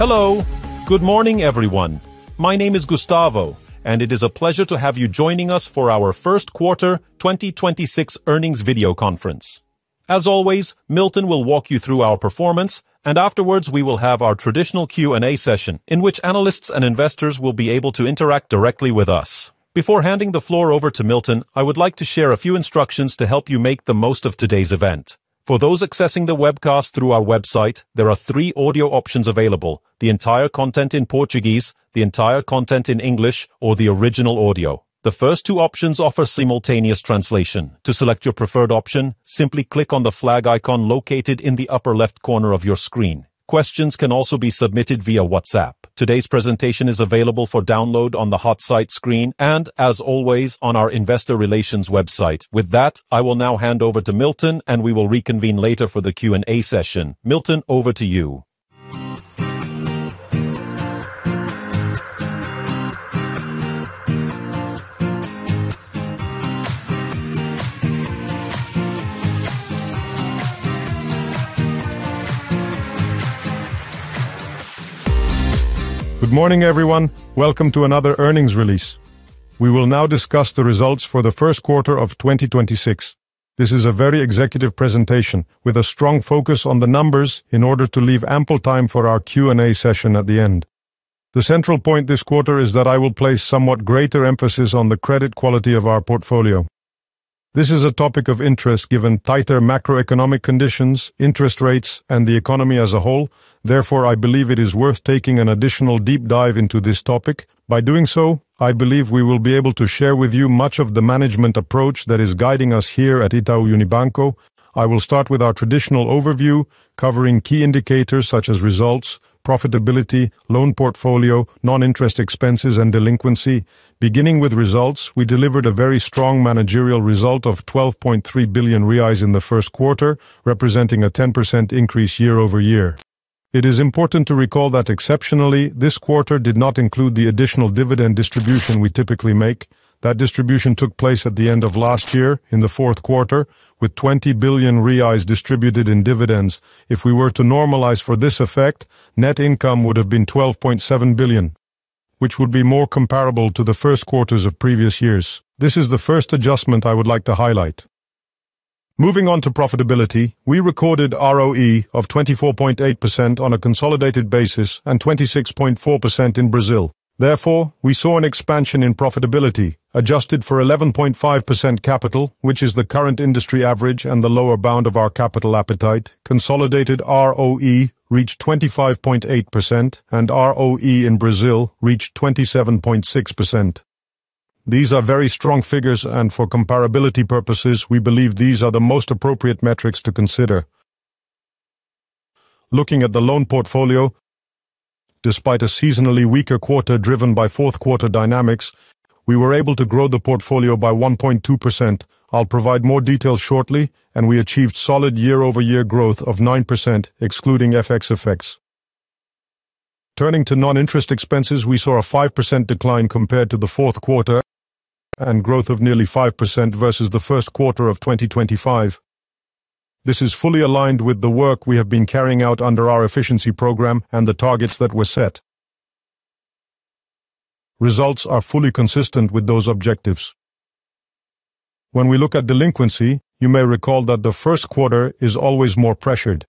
Hello. Good morning, everyone. My name is Gustavo, and it is a pleasure to have you joining us for our first quarter 2026 earnings video conference. As always, Milton will walk you through our performance, and afterwards we will have our traditional Q&A session, in which analysts and investors will be able to interact directly with us. Before handing the floor over to Milton, I would like to share a few instructions to help you make the most of today's event. For those accessing the webcast through our website, there are three audio options available: the entire content in Portuguese, the entire content in English, or the original audio. The first two options offer simultaneous translation. To select your preferred option, simply click on the flag icon located in the upper left corner of your screen. Questions can also be submitted via WhatsApp. Today's presentation is available for download on the hot site screen and, as always, on our investor relations website. With that, I will now hand over to Milton, and we will reconvene later for the Q&A session. Milton, over to you. Good morning, everyone. Welcome to another earnings release. We will now discuss the results for the first quarter of 2026. This is a very executive presentation with a strong focus on the numbers in order to leave ample time for our Q&A session at the end. The central point this quarter is that I will place somewhat greater emphasis on the credit quality of our portfolio. This is a topic of interest given tighter macroeconomic conditions, interest rates, and the economy as a whole. Therefore, I believe it is worth taking an additional deep dive into this topic. By doing so, I believe we will be able to share with you much of the management approach that is guiding us here at Itaú Unibanco. I will start with our traditional overview covering key indicators such as results, profitability, loan portfolio, non-interest expenses, and delinquency. Beginning with results, we delivered a very strong managerial result of 12.3 billion reais in the first quarter, representing a 10% increase year-over-year. It is important to recall that exceptionally, this quarter did not include the additional dividend distribution we typically make. That distribution took place at the end of last year in the fourth quarter, with 20 billion distributed in dividends. If we were to normalize for this effect, net income would have been 12.7 billion, which would be more comparable to the first quarters of previous years. This is the first adjustment I would like to highlight. Moving on to profitability, we recorded ROE of 24.8% on a consolidated basis and 26.4% in Brazil. We saw an expansion in profitability adjusted for 11.5% capital, which is the current industry average and the lower bound of our capital appetite. Consolidated ROE reached 25.8% and ROE in Brazil reached 27.6%. These are very strong figures. For comparability purposes, we believe these are the most appropriate metrics to consider. Looking at the loan portfolio, despite a seasonally weaker quarter driven by fourth quarter dynamics, we were able to grow the portfolio by 1.2%. I'll provide more details shortly. We achieved solid year-over-year growth of 9%, excluding FX effects. Turning to non-interest expenses, we saw a 5% decline compared to the fourth quarter and growth of nearly 5% versus the first quarter of 2025. This is fully aligned with the work we have been carrying out under our efficiency program and the targets that were set. Results are fully consistent with those objectives. When we look at delinquency, you may recall that the first quarter is always more pressured.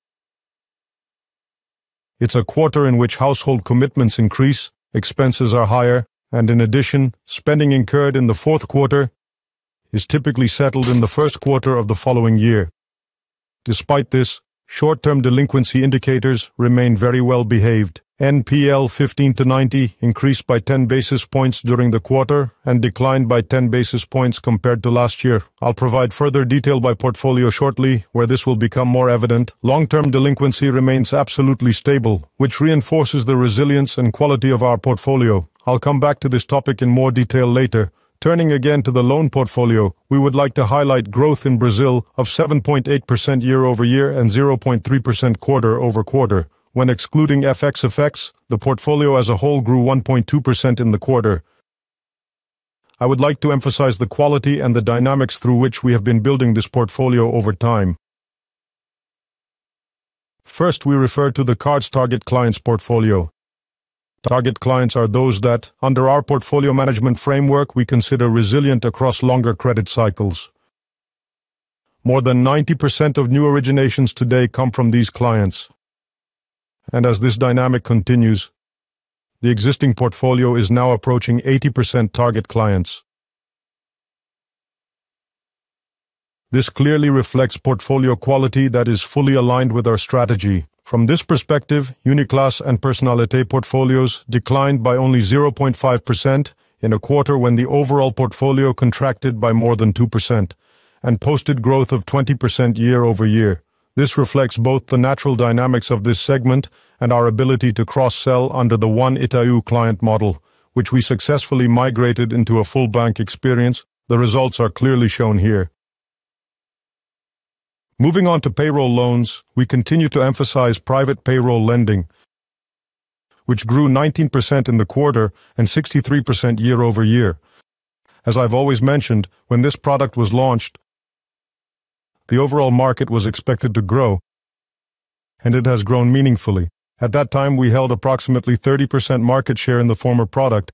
It's a quarter in which household commitments increase, expenses are higher, and in addition, spending incurred in the fourth quarter is typically settled in the first quarter of the following year. Despite this, short-term delinquency indicators remain very well behaved. NPL 15 to 90 increased by 10 basis points during the quarter and declined by 10 basis points compared to last year. I'll provide further detail by portfolio shortly where this will become more evident. Long-term delinquency remains absolutely stable, which reinforces the resilience and quality of our portfolio. I'll come back to this topic in more detail later. Turning again to the loan portfolio, we would like to highlight growth in Brazil of 7.8% year-over-year and 0.3% quarter-over-quarter. When excluding FX effects, the portfolio as a whole grew 1.2% in the quarter. I would like to emphasize the quality and the dynamics through which we have been building this portfolio over time. First, we refer to the card's target clients portfolio. Target clients are those that, under our portfolio management framework, we consider resilient across longer credit cycles. More than 90% of new originations today come from these clients. As this dynamic continues, the existing portfolio is now approaching 80% target clients. This clearly reflects portfolio quality that is fully aligned with our strategy. From this perspective, Uniclass and Personnalité portfolios declined by only 0.5% in a quarter when the overall portfolio contracted by more than 2% and posted growth of 20% year-over-year. This reflects both the natural dynamics of this segment and our ability to cross-sell under the One Itaú client model, which we successfully migrated into a full bank experience. The results are clearly shown here. Moving on to payroll loans, we continue to emphasize private payroll lending, which grew 19% in the quarter and 63% year-over-year. As I've always mentioned, when this product was launched. The overall market was expected to grow, and it has grown meaningfully. At that time, we held approximately 30% market share in the former product,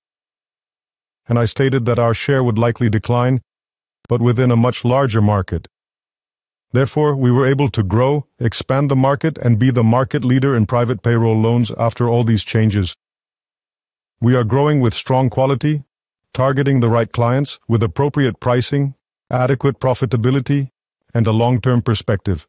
and I stated that our share would likely decline, but within a much larger market. We were able to grow, expand the market, and be the market leader in private payroll loans after all these changes. We are growing with strong quality, targeting the right clients with appropriate pricing, adequate profitability, and a long-term perspective.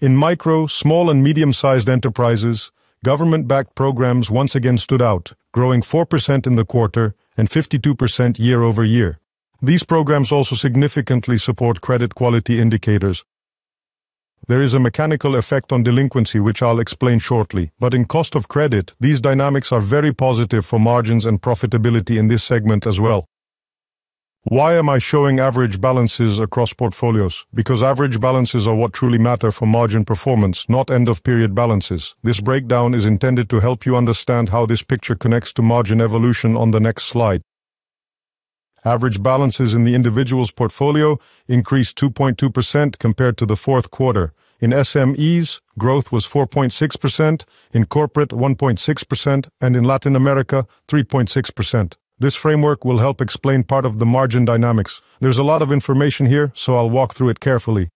In micro, small, and medium-sized enterprises, government-backed programs once again stood out, growing 4% in the quarter and 52% year-over-year. These programs also significantly support credit quality indicators. There is a mechanical effect on delinquency, which I'll explain shortly. In cost of credit, these dynamics are very positive for margins and profitability in this segment as well. Why am I showing average balances across portfolios? Average balances are what truly matter for margin performance, not end-of-period balances. This breakdown is intended to help you understand how this picture connects to margin evolution on the next slide. Average balances in the individual's portfolio increased 2.2% compared to the fourth quarter. In SMEs, growth was 4.6%; in corporate, 1.6%; and in Latin America, 3.6%. This framework will help explain part of the margin dynamics. There's a lot of information here, so I'll walk through it carefully.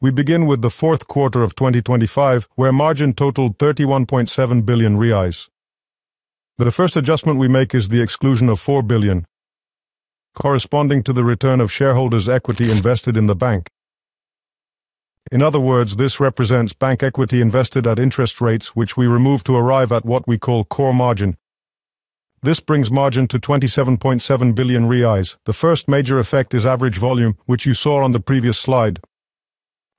We begin with the fourth quarter of 2025, where margin totaled 31.7 billion reais. The first adjustment we make is the exclusion of 4 billion, corresponding to the return of shareholders' equity invested in the bank. In other words, this represents bank equity invested at interest rates, which we remove to arrive at what we call core margin. This brings margin to 27.7 billion reais. The first major effect is average volume, which you saw on the previous slide.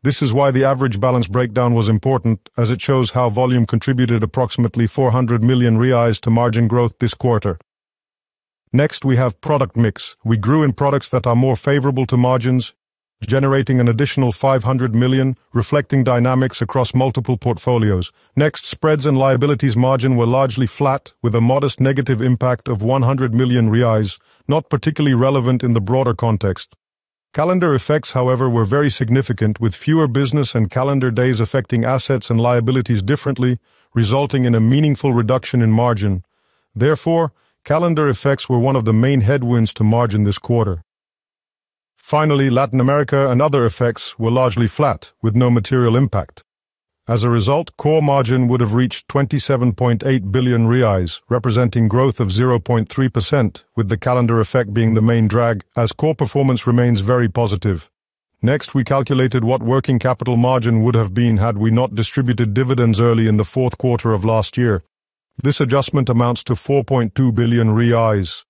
This is why the average balance breakdown was important, as it shows how volume contributed approximately 400 million reais to margin growth this quarter. Next, we have product mix. We grew in products that are more favorable to margins, generating an additional 500 million, reflecting dynamics across multiple portfolios. Next, spreads and liabilities margin were largely flat, with a modest negative impact of 100 million reais, not particularly relevant in the broader context. Calendar effects, however, were very significant, with fewer business and calendar days affecting assets and liabilities differently, resulting in a meaningful reduction in margin. Therefore, calendar effects were one of the main headwinds to margin this quarter. Finally, Latin America and other effects were largely flat with no material impact. As a result, core margin would have reached 27.8 billion reais, representing growth of 0.3%, with the calendar effect being the main drag as core performance remains very positive. Next, we calculated what working capital margin would have been had we not distributed dividends early in the fourth quarter of last year. This adjustment amounts to 4.2 billion reais.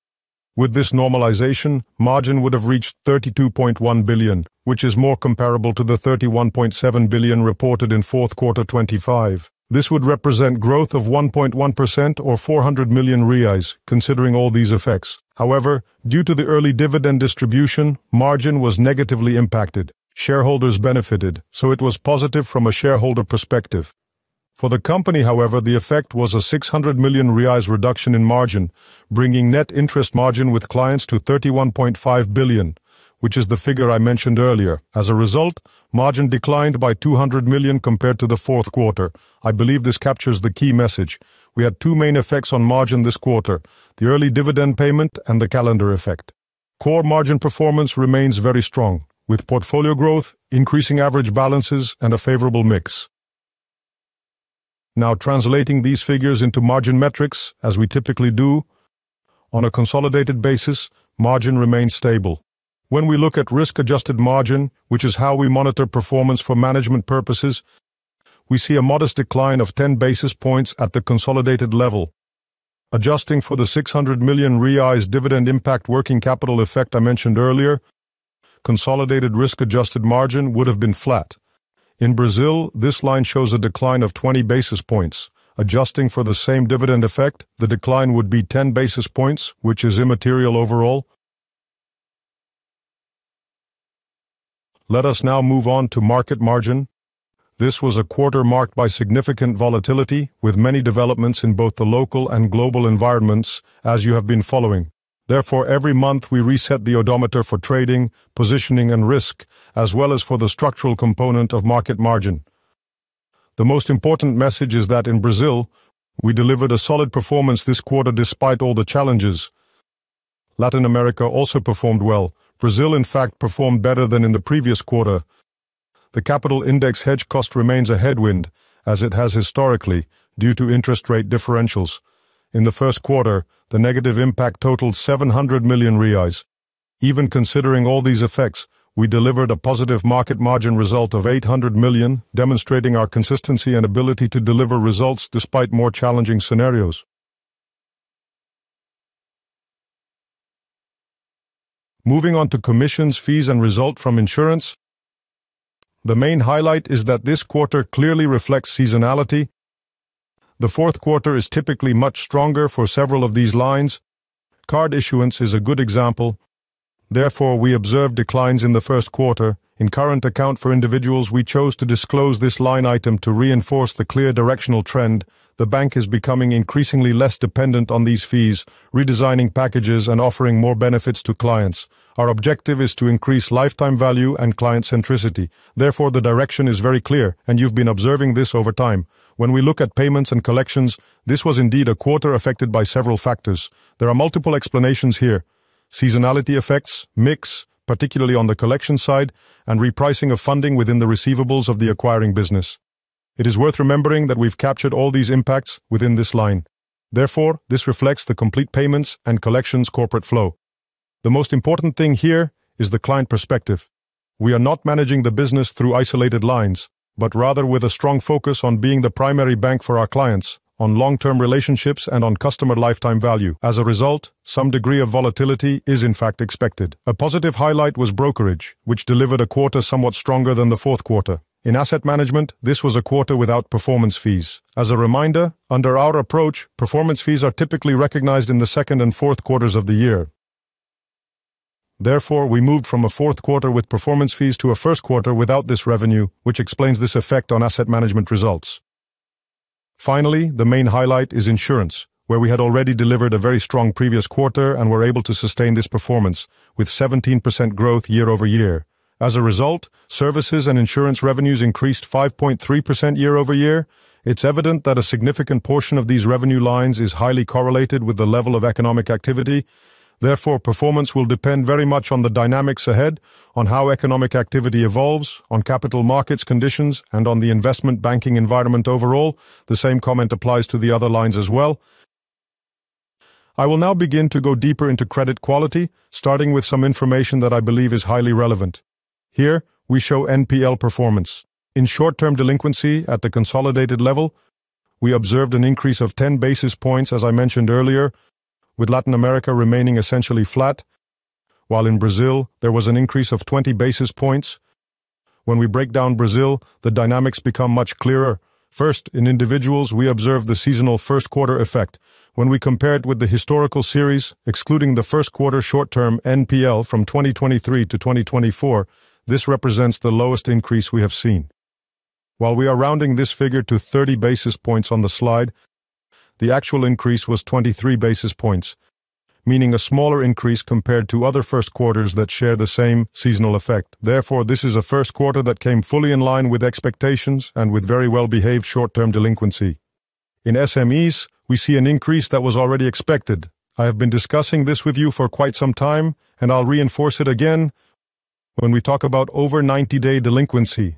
With this normalization, margin would have reached 32.1 billion, which is more comparable to the 31.7 billion reported in fourth quarter 2025. This would represent growth of 1.1% or 400 million reais considering all these effects. However, due to the early dividend distribution, margin was negatively impacted. Shareholders benefited, so it was positive from a shareholder perspective. For the company, however, the effect was a 600 million reais reduction in margin, bringing net interest margin with clients to 31.5 billion, which is the figure I mentioned earlier. As a result, margin declined by 200 million compared to the fourth quarter. I believe this captures the key message. We had two main effects on margin this quarter, the early dividend payment and the calendar effect. Core margin performance remains very strong with portfolio growth, increasing average balances, and a favorable mix. Now translating these figures into margin metrics, as we typically do, on a consolidated basis, margin remains stable. When we look at risk-adjusted margin, which is how we monitor performance for management purposes, we see a modest decline of 10 basis points at the consolidated level. Adjusting for the 600 million reais dividend impact working capital effect I mentioned earlier, consolidated risk-adjusted margin would have been flat. In Brazil, this line shows a decline of 20 basis points. Adjusting for the same dividend effect, the decline would be 10 basis points, which is immaterial overall. Let us now move on to market margin. This was a quarter marked by significant volatility, with many developments in both the local and global environments as you have been following. Every month we reset the odometer for trading, positioning, and risk, as well as for the structural component of market margin. The most important message is that in Brazil, we delivered a solid performance this quarter despite all the challenges. Latin America also performed well. Brazil, in fact, performed better than in the previous quarter. The capital index hedge cost remains a headwind as it has historically due to interest rate differentials. In the first quarter, the negative impact totaled 700 million reais. Even considering all these effects, we delivered a positive market margin result of 800 million, demonstrating our consistency and ability to deliver results despite more challenging scenarios. Moving on to commissions, fees, and result from insurance, the main highlight is that this quarter clearly reflects seasonality. The fourth quarter is typically much stronger for several of these lines. Card issuance is a good example. We observed declines in the first quarter. In current account for individuals, we chose to disclose this line item to reinforce the clear directional trend. The bank is becoming increasingly less dependent on these fees, redesigning packages and offering more benefits to clients. Our objective is to increase lifetime value and client centricity. Therefore, the direction is very clear, and you've been observing this over time. When we look at payments and collections, this was indeed a quarter affected by several factors. There are multiple explanations here, seasonality effects, mix, particularly on the collection side, and repricing of funding within the receivables of the acquiring business. It is worth remembering that we've captured all these impacts within this line. Therefore, this reflects the complete payments and collections corporate flow. The most important thing here is the client perspective. We are not managing the business through isolated lines, but rather with a strong focus on being the primary bank for our clients on long-term relationships and on customer lifetime value. As a result, some degree of volatility is in fact expected. A positive highlight was brokerage, which delivered a quarter somewhat stronger than the fourth quarter. In asset management, this was a quarter without performance fees. As a reminder, under our approach, performance fees are typically recognized in the second and fourth quarters of the year. Therefore, we moved from a fourth quarter with performance fees to a first quarter without this revenue, which explains this effect on asset management results. Finally, the main highlight is insurance, where we had already delivered a very strong previous quarter and were able to sustain this performance with 17% growth year-over-year. As a result, services and insurance revenues increased 5.3% year-over-year. It's evident that a significant portion of these revenue lines is highly correlated with the level of economic activity. Therefore, performance will depend very much on the dynamics ahead, on how economic activity evolves, on capital markets conditions, and on the investment banking environment overall. The same comment applies to the other lines as well. I will now begin to go deeper into credit quality, starting with some information that I believe is highly relevant. Here, we show NPL performance. In short-term delinquency at the consolidated level, we observed an increase of 10 basis points, as I mentioned earlier, with Latin America remaining essentially flat. While in Brazil, there was an increase of 20 basis points. When we break down Brazil, the dynamics become much clearer. First, in individuals, we observe the seasonal first quarter effect. When we compare it with the historical series, excluding the first quarter short-term NPL from 2023 to 2024, this represents the lowest increase we have seen. While we are rounding this figure to 30 basis points on the slide, the actual increase was 23 basis points, meaning a smaller increase compared to other first quarters that share the same seasonal effect. Therefore, this is a first quarter that came fully in line with expectations and with very well-behaved short-term delinquency. In SMEs, we see an increase that was already expected. I have been discussing this with you for quite some time, and I'll reinforce it again when we talk about over 90-day delinquency.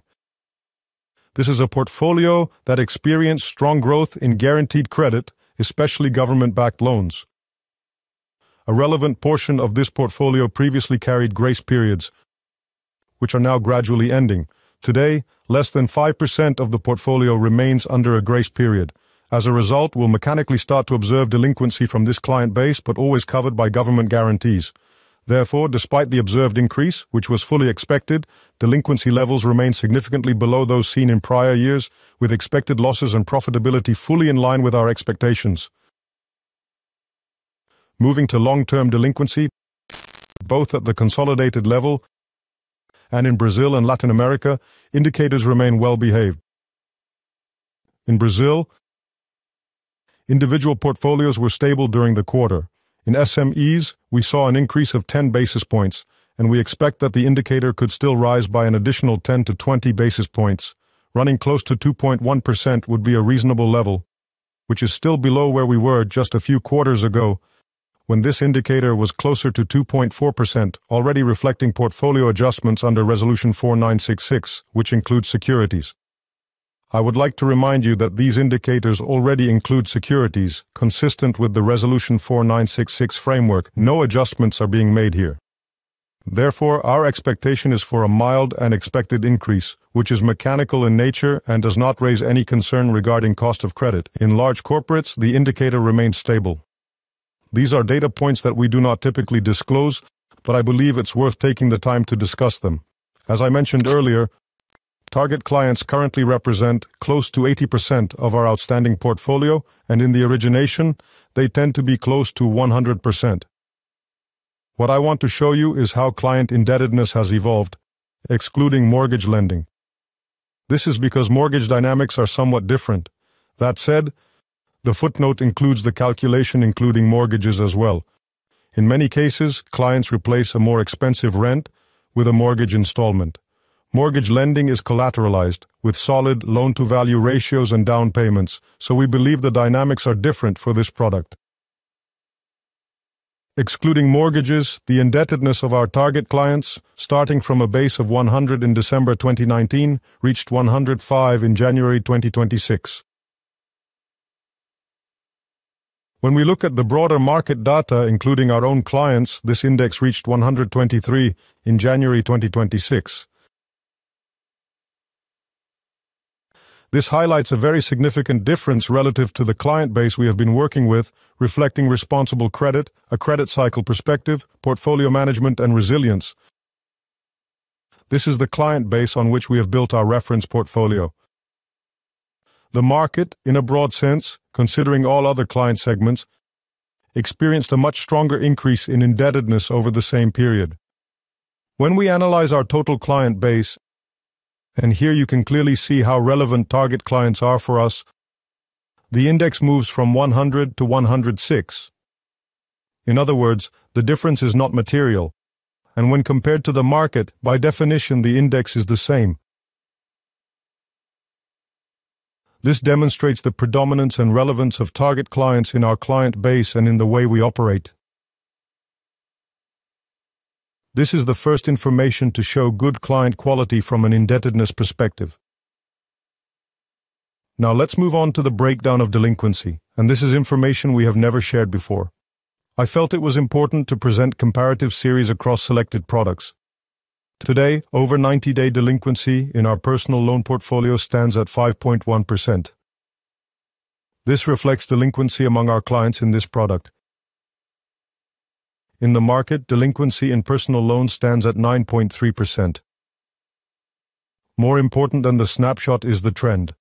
This is a portfolio that experienced strong growth in guaranteed credit, especially government-backed loans. A relevant portion of this portfolio previously carried grace periods, which are now gradually ending. Today, less than 5% of the portfolio remains under a grace period. As a result, we'll mechanically start to observe delinquency from this client base, but always covered by government guarantees. Therefore, despite the observed increase, which was fully expected, delinquency levels remain significantly below those seen in prior years, with expected losses and profitability fully in line with our expectations. Moving to long-term delinquency, both at the consolidated level and in Brazil and Latin America, indicators remain well-behaved. In Brazil, individual portfolios were stable during the quarter. In SMEs, we saw an increase of 10 basis points, and we expect that the indicator could still rise by an additional 10 basis points-20 basis points. Running close to 2.1% would be a reasonable level, which is still below where we were just a few quarters ago when this indicator was closer to 2.4%, already reflecting portfolio adjustments under Resolution 4966, which includes securities. I would like to remind you that these indicators already include securities consistent with the Resolution 4966 framework. No adjustments are being made here. Our expectation is for a mild and expected increase, which is mechanical in nature and does not raise any concern regarding cost of credit. In large corporates, the indicator remains stable. These are data points that we do not typically disclose, but I believe it's worth taking the time to discuss them. As I mentioned earlier, target clients currently represent close to 80% of our outstanding portfolio, and in the origination, they tend to be close to 100%. What I want to show you is how client indebtedness has evolved, excluding mortgage lending. This is because mortgage dynamics are somewhat different. That said, the footnote includes the calculation, including mortgages as well. In many cases, clients replace a more expensive rent with a mortgage installment. Mortgage lending is collateralized with solid loan-to-value ratios and down payments, so we believe the dynamics are different for this product. Excluding mortgages, the indebtedness of our target clients, starting from a base of 100 in December 2019, reached 105 in January 2026. When we look at the broader market data, including our own clients, this index reached 123 in January 2026. This highlights a very significant difference relative to the client base we have been working with, reflecting responsible credit, a credit cycle perspective, portfolio management, and resilience. This is the client base on which we have built our reference portfolio. The market, in a broad sense, considering all other client segments, experienced a much stronger increase in indebtedness over the same period. When we analyze our total client base, and here you can clearly see how relevant target clients are for us, the index moves from 100-106. In other words, the difference is not material, and when compared to the market, by definition, the index is the same. This demonstrates the predominance and relevance of target clients in our client base and in the way we operate. This is the first information to show good client quality from an indebtedness perspective. Now, let's move on to the breakdown of delinquency. This is information we have never shared before. I felt it was important to present comparative series across selected products. Today, over 90-day delinquency in our personal loan portfolio stands at 5.1%. This reflects delinquency among our clients in this product. In the market, delinquency in personal loans stands at 9.3%. More important than the snapshot is the trend.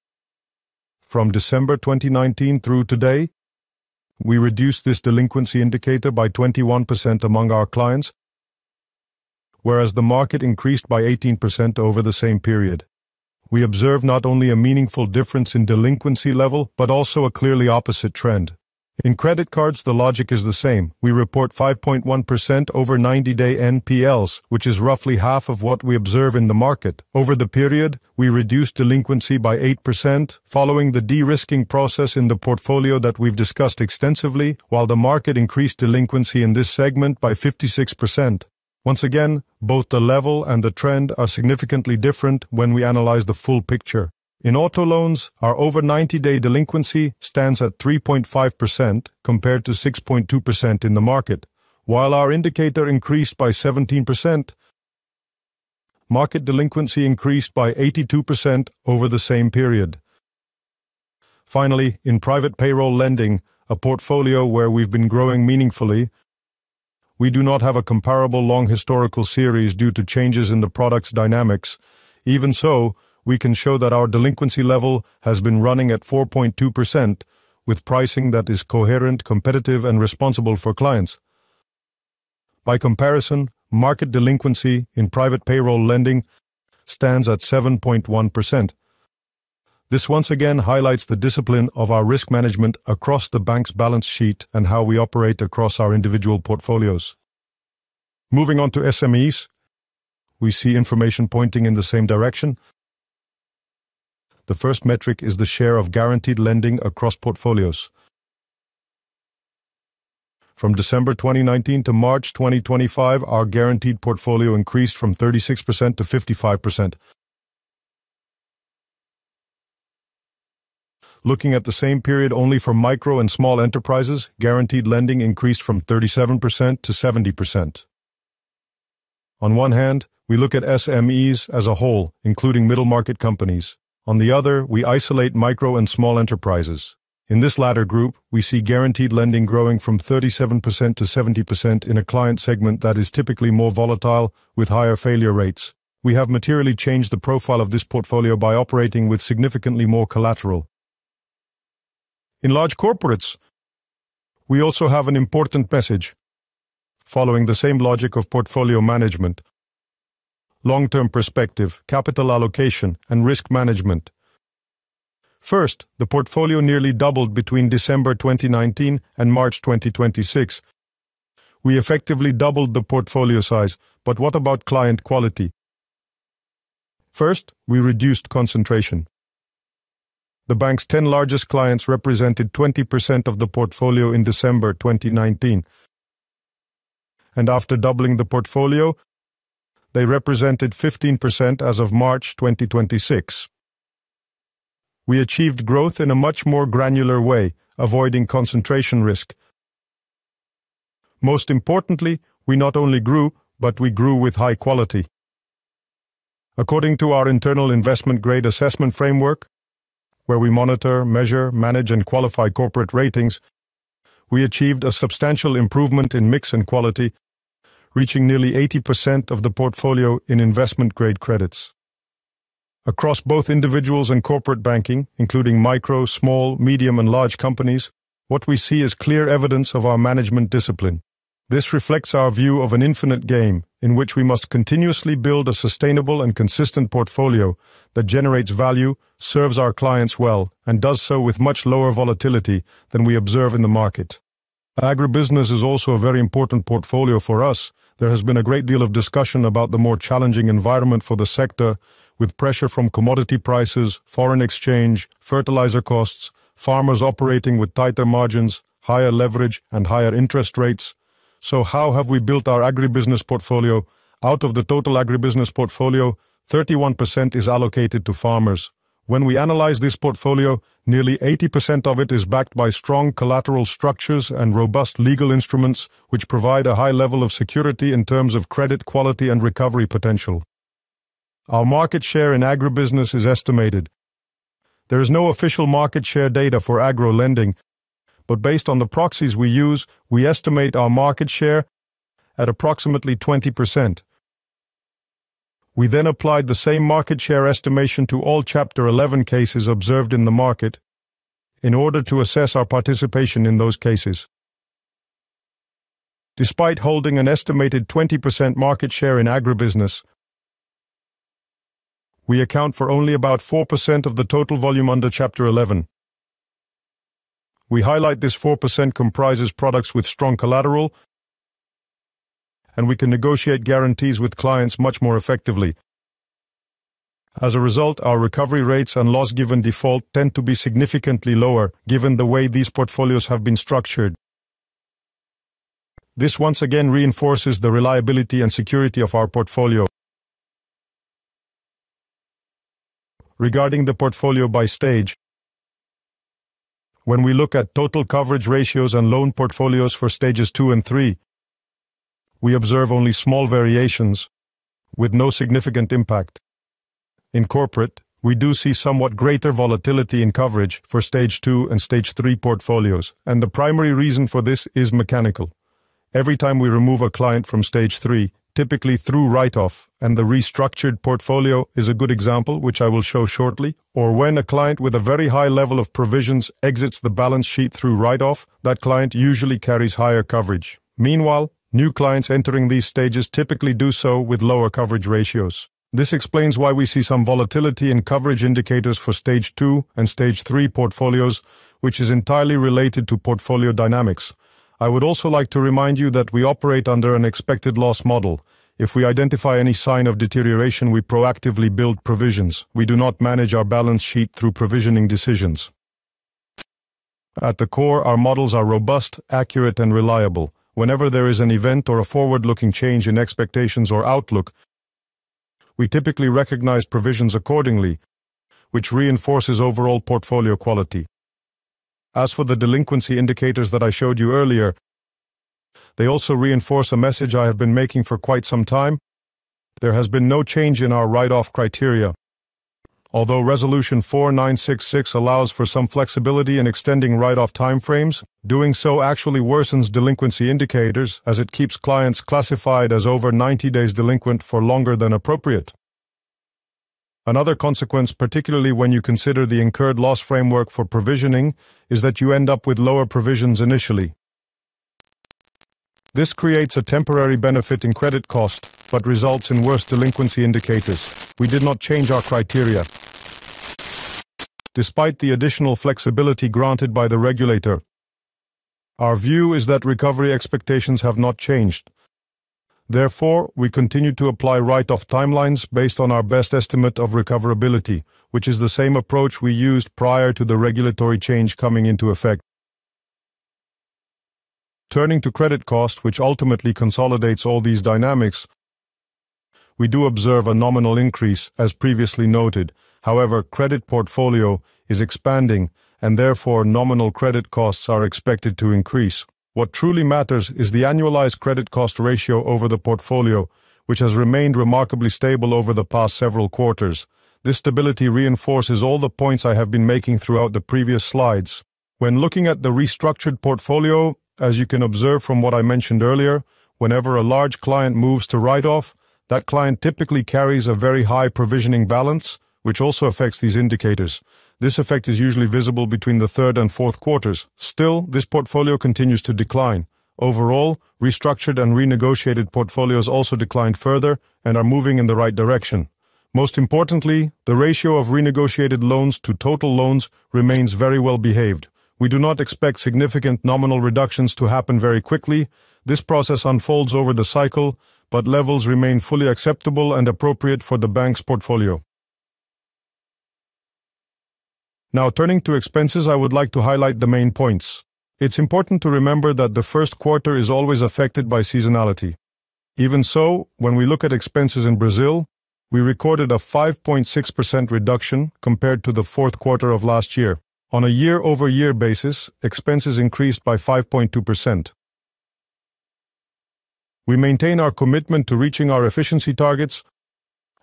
From December 2019 through today, we reduced this delinquency indicator by 21% among our clients, whereas the market increased by 18% over the same period. We observe not only a meaningful difference in delinquency level, but also a clearly opposite trend. In credit cards, the logic is the same. We report 5.1% over 90-day NPLs, which is roughly half of what we observe in the market. Over the period, we reduced delinquency by 8% following the de-risking process in the portfolio that we've discussed extensively, while the market increased delinquency in this segment by 56%. Once again, both the level and the trend are significantly different when we analyze the full picture. In auto loans, our over 90-day delinquency stands at 3.5% compared to 6.2% in the market. While our indicator increased by 17%, market delinquency increased by 82% over the same period. Finally, in private payroll lending, a portfolio where we've been growing meaningfully, we do not have a comparable long historical series due to changes in the product's dynamics. Even so, we can show that our delinquency level has been running at 4.2% with pricing that is coherent, competitive, and responsible for clients. By comparison, market delinquency in private payroll lending stands at 7.1%. This once again highlights the discipline of our risk management across the bank's balance sheet and how we operate across our individual portfolios. Moving on to SMEs, we see information pointing in the same direction. The first metric is the share of guaranteed lending across portfolios. From December 2019 to March 2025, our guaranteed portfolio increased from 36%-55%. Looking at the same period only for micro and small enterprises, guaranteed lending increased from 37%-70%. On one hand, we look at SMEs as a whole, including middle-market companies. On the other, we isolate micro and small enterprises. In this latter group, we see guaranteed lending growing from 37%-70% in a client segment that is typically more volatile with higher failure rates. We have materially changed the profile of this portfolio by operating with significantly more collateral. In large corporates, we also have an important message following the same logic of portfolio management, long-term perspective, capital allocation, and risk management. First, the portfolio nearly doubled between December 2019 and March 2026. We effectively doubled the portfolio size. What about client quality? First, we reduced concentration. The bank's 10 largest clients represented 20% of the portfolio in December 2019, and after doubling the portfolio, they represented 15% as of March 2026. We achieved growth in a much more granular way, avoiding concentration risk. Most importantly, we not only grew, but we grew with high quality. According to our internal investment grade assessment framework, where we monitor, measure, manage, and qualify corporate ratings, we achieved a substantial improvement in mix and quality, reaching nearly 80% of the portfolio in investment-grade credits. Across both individuals and corporate banking, including micro, small, medium, and large companies, what we see is clear evidence of our management discipline. This reflects our view of an infinite game in which we must continuously build a sustainable and consistent portfolio that generates value, serves our clients well, and does so with much lower volatility than we observe in the market. Agribusiness is also a very important portfolio for us. There has been a great deal of discussion about the more challenging environment for the sector with pressure from commodity prices, foreign exchange, fertilizer costs, farmers operating with tighter margins, higher leverage, and higher interest rates. How have we built our agribusiness portfolio? Out of the total agribusiness portfolio, 31% is allocated to farmers. When we analyze this portfolio, nearly 80% of it is backed by strong collateral structures and robust legal instruments, which provide a high level of security in terms of credit quality and recovery potential. Our market share in agribusiness is estimated. There is no official market share data for agro lending. Based on the proxies we use, we estimate our market share at approximately 20%. We then applied the same market share estimation to all Chapter 11 cases observed in the market in order to assess our participation in those cases. Despite holding an estimated 20% market share in agribusiness, we account for only about 4% of the total volume under Chapter 11. We highlight this 4% comprises products with strong collateral, and we can negotiate guarantees with clients much more effectively. As a result, our recovery rates and loss given default tend to be significantly lower, given the way these portfolios have been structured. This once again reinforces the reliability and security of our portfolio. Regarding the portfolio by stage, when we look at total coverage ratios and loan portfolios for stages two and three, we observe only small variations with no significant impact. In corporate, we do see somewhat greater volatility in coverage for stage two and stage three portfolios, and the primary reason for this is mechanical. Every time we remove a client from stage three, typically through write-off, and the restructured portfolio is a good example, which I will show shortly, or when a client with a very high level of provisions exits the balance sheet through write-off, that client usually carries higher coverage. Meanwhile, new clients entering these stages typically do so with lower coverage ratios. This explains why we see some volatility in coverage indicators for stage two and stage three portfolios, which is entirely related to portfolio dynamics. I would also like to remind you that we operate under an expected loss model. If we identify any sign of deterioration, we proactively build provisions. We do not manage our balance sheet through provisioning decisions. At the core, our models are robust, accurate, and reliable. Whenever there is an event or a forward-looking change in expectations or outlook, we typically recognize provisions accordingly, which reinforces overall portfolio quality. As for the delinquency indicators that I showed you earlier, they also reinforce a message I have been making for quite some time. There has been no change in our write-off criteria. Although Resolution 4966 allows for some flexibility in extending write-off time frames, doing so actually worsens delinquency indicators as it keeps clients classified as over 90 days delinquent for longer than appropriate. Another consequence, particularly when you consider the incurred loss framework for provisioning, is that you end up with lower provisions initially. This creates a temporary benefit in credit cost, but results in worse delinquency indicators. We did not change our criteria despite the additional flexibility granted by the regulator. Our view is that recovery expectations have not changed. Therefore, we continue to apply write-off timelines based on our best estimate of recoverability, which is the same approach we used prior to the regulatory change coming into effect. Turning to credit cost, which ultimately consolidates all these dynamics, we do observe a nominal increase as previously noted. However, credit portfolio is expanding and therefore nominal credit costs are expected to increase. What truly matters is the annualized credit cost ratio over the portfolio, which has remained remarkably stable over the past several quarters. This stability reinforces all the points I have been making throughout the previous slides. When looking at the restructured portfolio, as you can observe from what I mentioned earlier, whenever a large client moves to write-off, that client typically carries a very high provisioning balance, which also affects these indicators. This effect is usually visible between the third and fourth quarters. Still, this portfolio continues to decline. Overall, restructured and renegotiated portfolios also declined further and are moving in the right direction. Most importantly, the ratio of renegotiated loans to total loans remains very well behaved. We do not expect significant nominal reductions to happen very quickly. This process unfolds over the cycle, but levels remain fully acceptable and appropriate for the bank's portfolio. Now turning to expenses, I would like to highlight the main points. It is important to remember that the first quarter is always affected by seasonality. Even so, when we look at expenses in Brazil, we recorded a 5.6% reduction compared to the fourth quarter of last year. On a year-over-year basis, expenses increased by 5.2%. We maintain our commitment to reaching our efficiency targets.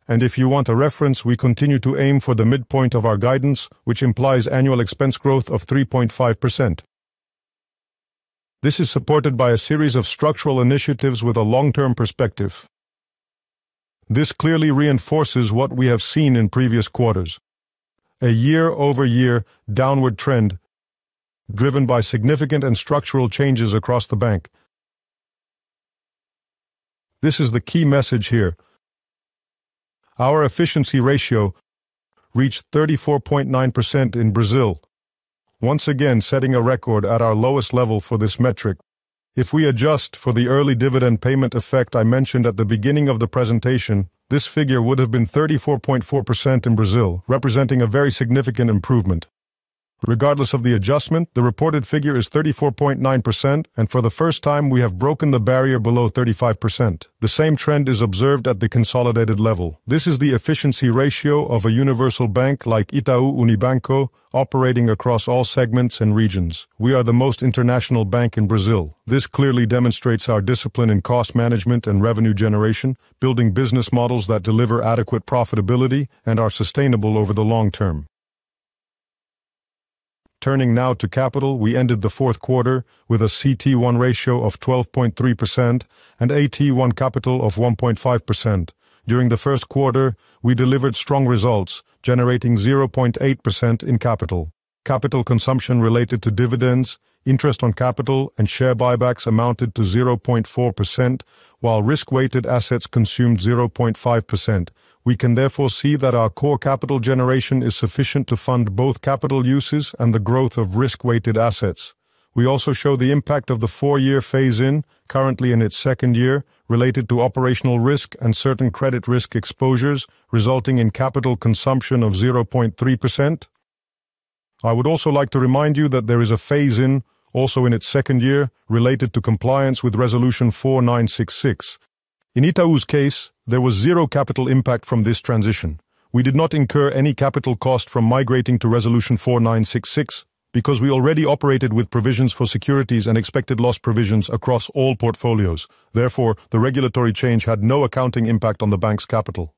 If you want a reference, we continue to aim for the midpoint of our guidance, which implies annual expense growth of 3.5%. This is supported by a series of structural initiatives with a long-term perspective. This clearly reinforces what we have seen in previous quarters, a year-over-year downward trend driven by significant and structural changes across the bank. This is the key message here. Our efficiency ratio reached 34.9% in Brazil, once again setting a record at our lowest level for this metric. If we adjust for the early dividend payment effect I mentioned at the beginning of the presentation, this figure would have been 34.4% in Brazil, representing a very significant improvement. Regardless of the adjustment, the reported figure is 34.9%, and for the first time, we have broken the barrier below 35%. The same trend is observed at the consolidated level. This is the efficiency ratio of a universal bank like Itaú Unibanco operating across all segments and regions. We are the most international bank in Brazil. This clearly demonstrates our discipline in cost management and revenue generation, building business models that deliver adequate profitability and are sustainable over the long term. Turning now to capital, we ended the fourth quarter with a CET1 ratio of 12.3% and AT1 capital of 1.5%. During the first quarter, we delivered strong results, generating 0.8% in capital. Capital consumption related to dividends, interest on capital, and share buybacks amounted to 0.4%, while risk-weighted assets consumed 0.5%. We can therefore see that our core capital generation is sufficient to fund both capital uses and the growth of risk-weighted assets. We also show the impact of the 4-year phase-in, currently in its 2nd year, related to operational risk and certain credit risk exposures, resulting in capital consumption of 0.3%. I would also like to remind you that there is a phase-in, also in its 2nd year, related to compliance with Resolution 4966. In Itaú's case, there was zero capital impact from this transition. We did not incur any capital cost from migrating to Resolution 4966 because we already operated with provisions for securities and expected loss provisions across all portfolios. The regulatory change had no accounting impact on the bank's capital.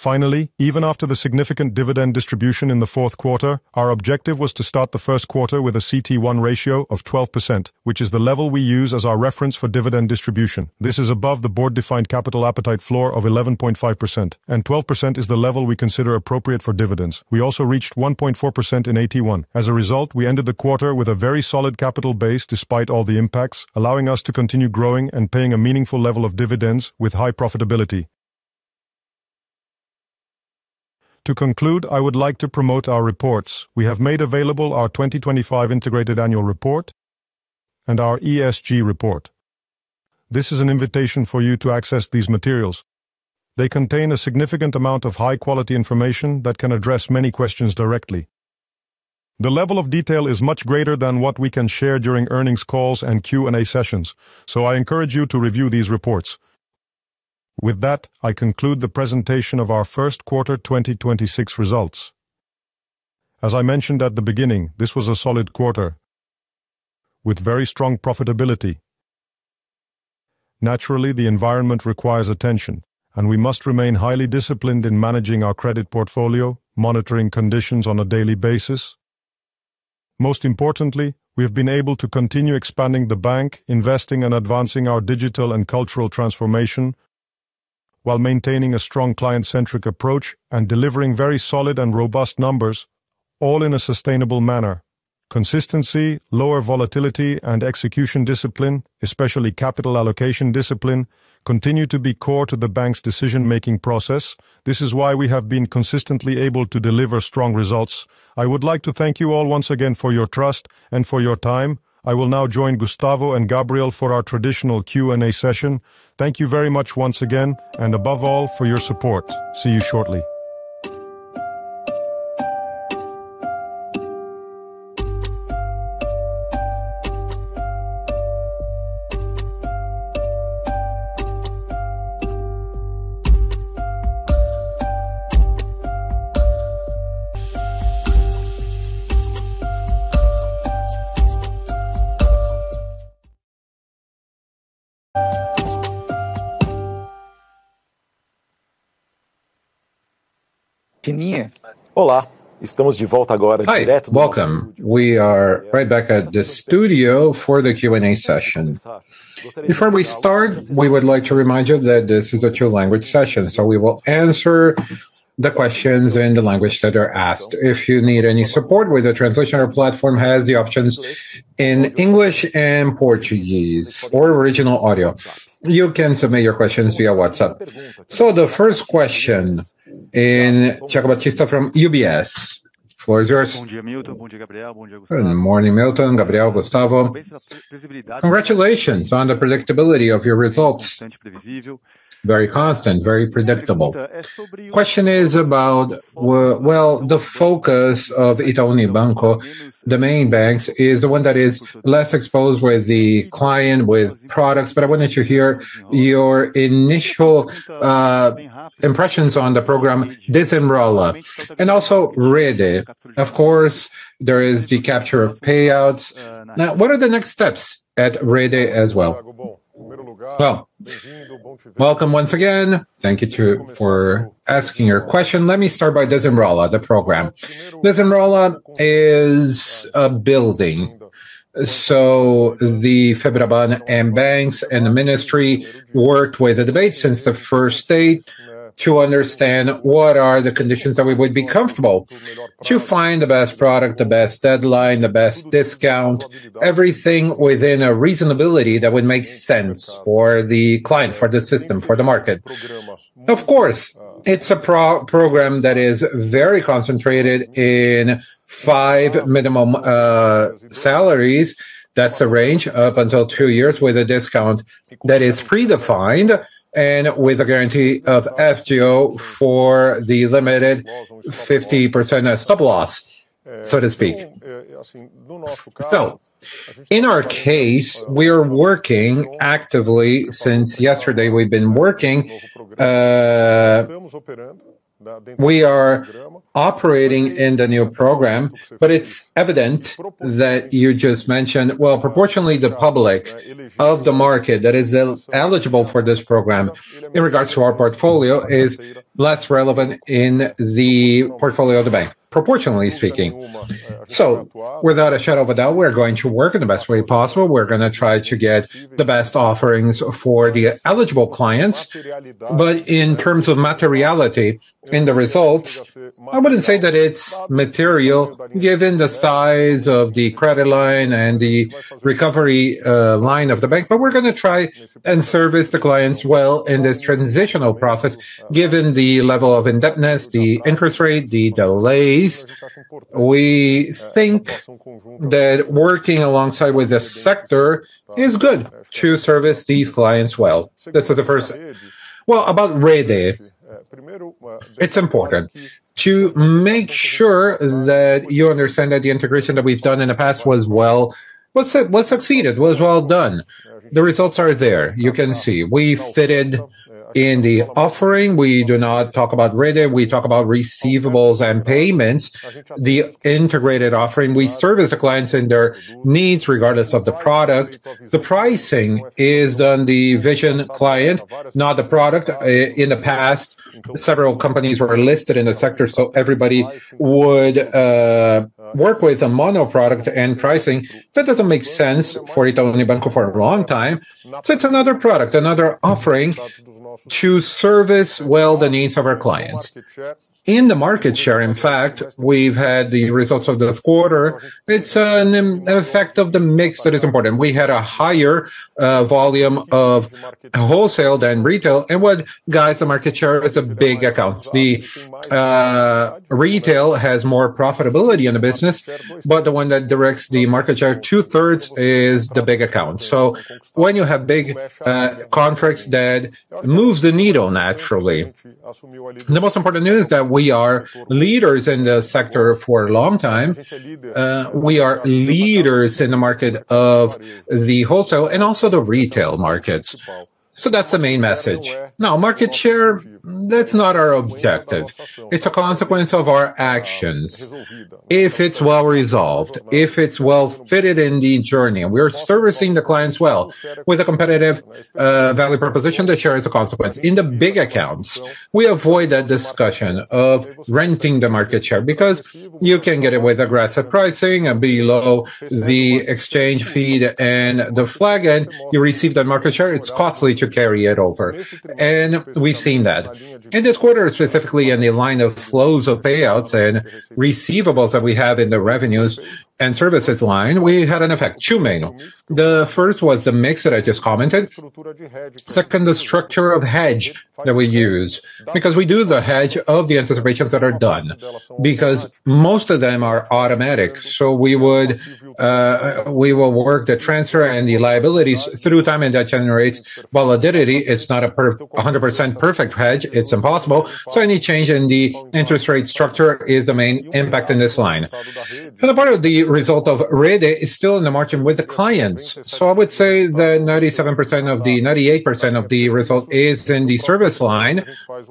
Finally, even after the significant dividend distribution in the fourth quarter, our objective was to start the first quarter with a CT1 ratio of 12%, which is the level we use as our reference for dividend distribution. This is above the board-defined capital appetite floor of 11.5%, and 12% is the level we consider appropriate for dividends. We also reached 1.4% in AT1. We ended the quarter with a very solid capital base despite all the impacts, allowing us to continue growing and paying a meaningful level of dividends with high profitability. To conclude, I would like to promote our reports. We have made available our 2025 integrated annual report and our ESG report. This is an invitation for you to access these materials. They contain a significant amount of high-quality information that can address many questions directly. The level of detail is much greater than what we can share during earnings calls and Q&A sessions. I encourage you to review these reports. With that, I conclude the presentation of our first quarter 2026 results. As I mentioned at the beginning, this was a solid quarter with very strong profitability. Naturally, the environment requires attention. We must remain highly disciplined in managing our credit portfolio, monitoring conditions on a daily basis. Most importantly, we have been able to continue expanding the bank, investing and advancing our digital and cultural transformation while maintaining a strong client-centric approach and delivering very solid and robust numbers, all in a sustainable manner. Consistency, lower volatility, and execution discipline, especially capital allocation discipline, continue to be core to the bank's decision-making process. This is why we have been consistently able to deliver strong results. I would like to thank you all once again for your trust and for your time. I will now join Gustavo and Gabriel for our traditional Q&A session. Thank you very much once again, and above all, for your support. See you shortly. Hi, welcome. We are right back at the studio for the Q&A session. Before we start, we would like to remind you that this is a two-language session, so we will answer the questions in the language that are asked. If you need any support with the translation, our platform has the options in English and Portuguese or original audio. You can submit your questions via WhatsApp. The first question is Thiago Batista from UBS. Floor is yours. Good morning, Milton, Gabriel, Gustavo. Congratulations on the predictability of your results. Very constant, very predictable. Question is about, well, the focus of Itaú Unibanco, the main banks, is the one that is less exposed with the client, with products. I wanted to hear your initial impressions on the program, Desenrola. Also Rede. Of course, there is the capture of payouts. What are the next steps at Rede as well? Welcome once again. Thank you for asking your question. Let me start by Desenrola, the program. Desenrola is building. The Febraban and banks and the ministry worked with the debate since the first date to understand what are the conditions that we would be comfortable to find the best product, the best deadline, the best discount, everything within a reasonability that would make sense for the client, for the system, for the market. Of course, it's a pro-program that is very concentrated in five minimum salaries. That's the range, up until two years with a discount that is predefined and with a guarantee of FGO for the limited 50% stop loss, so to speak. In our case, we are working actively. Since yesterday, we are operating in the new program. It's evident that you just mentioned. Well proportionately, the public of the market that is eligible for this program in regards to our portfolio is less relevant in the portfolio of the bank, proportionately speaking. Without a shadow of a doubt, we're going to work in the best way possible. We're gonna try to get the best offerings for the eligible clients. In terms of materiality in the results, I wouldn't say that it's material given the size of the credit line and the recovery line of the bank. We're gonna try and service the clients well in this transitional process, given the level of indebtedness, the interest rate, the delays. We think that working alongside with the sector is good to service these clients well. This is the first thing. Well, about Rede, it's important to make sure that you understand that the integration that we've done in the past was well done. The results are there. You can see. We fitted in the offering. We do not talk about Rede, we talk about receivables and payments. The integrated offering, we service the clients and their needs regardless of the product. The pricing is on the vision client, not the product. In the past, several companies were listed in the sector, everybody would work with a mono product and pricing. That doesn't make sense for Itaú Unibanco for a long time. It's another product, another offering to service well the needs of our clients. In the market share, in fact, we've had the results of the quarter. It's an effect of the mix that is important. We had a higher volume of wholesale than retail. What guides the market share is the big accounts. The retail has more profitability in the business, but the one that directs the market share 2/3 is the big accounts. When you have big contracts, that moves the needle naturally. The most important news is that we are leaders in the sector for a long time. We are leaders in the market of the wholesale and also the retail markets. That's the main message. Market share, that's not our objective. It's a consequence of our actions. If it's well resolved, if it's well fitted in the journey, and we're servicing the clients well with a competitive value proposition, the share is a consequence. In the big accounts, we avoid that discussion of renting the market share because you can get it with aggressive pricing below the exchange fee and the flag, and you receive that market share, it's costly to carry it over. We've seen that. In this quarter, specifically in the line of flows of payouts and receivables that we have in the revenues and services line, we had an effect, two main. The first was the mix that I just commented. Second, the structure of hedge that we use, because we do the hedge of the anticipations that are done because most of them are automatic, so we will work the transfer and the liabilities through time, and that generates volatility. It's not a 100% perfect hedge. It's impossible. Any change in the interest rate structure is the main impact in this line. The part of the result of Rede is still in the margin with the clients. I would say that 97% of the 98% of the result is in the service line.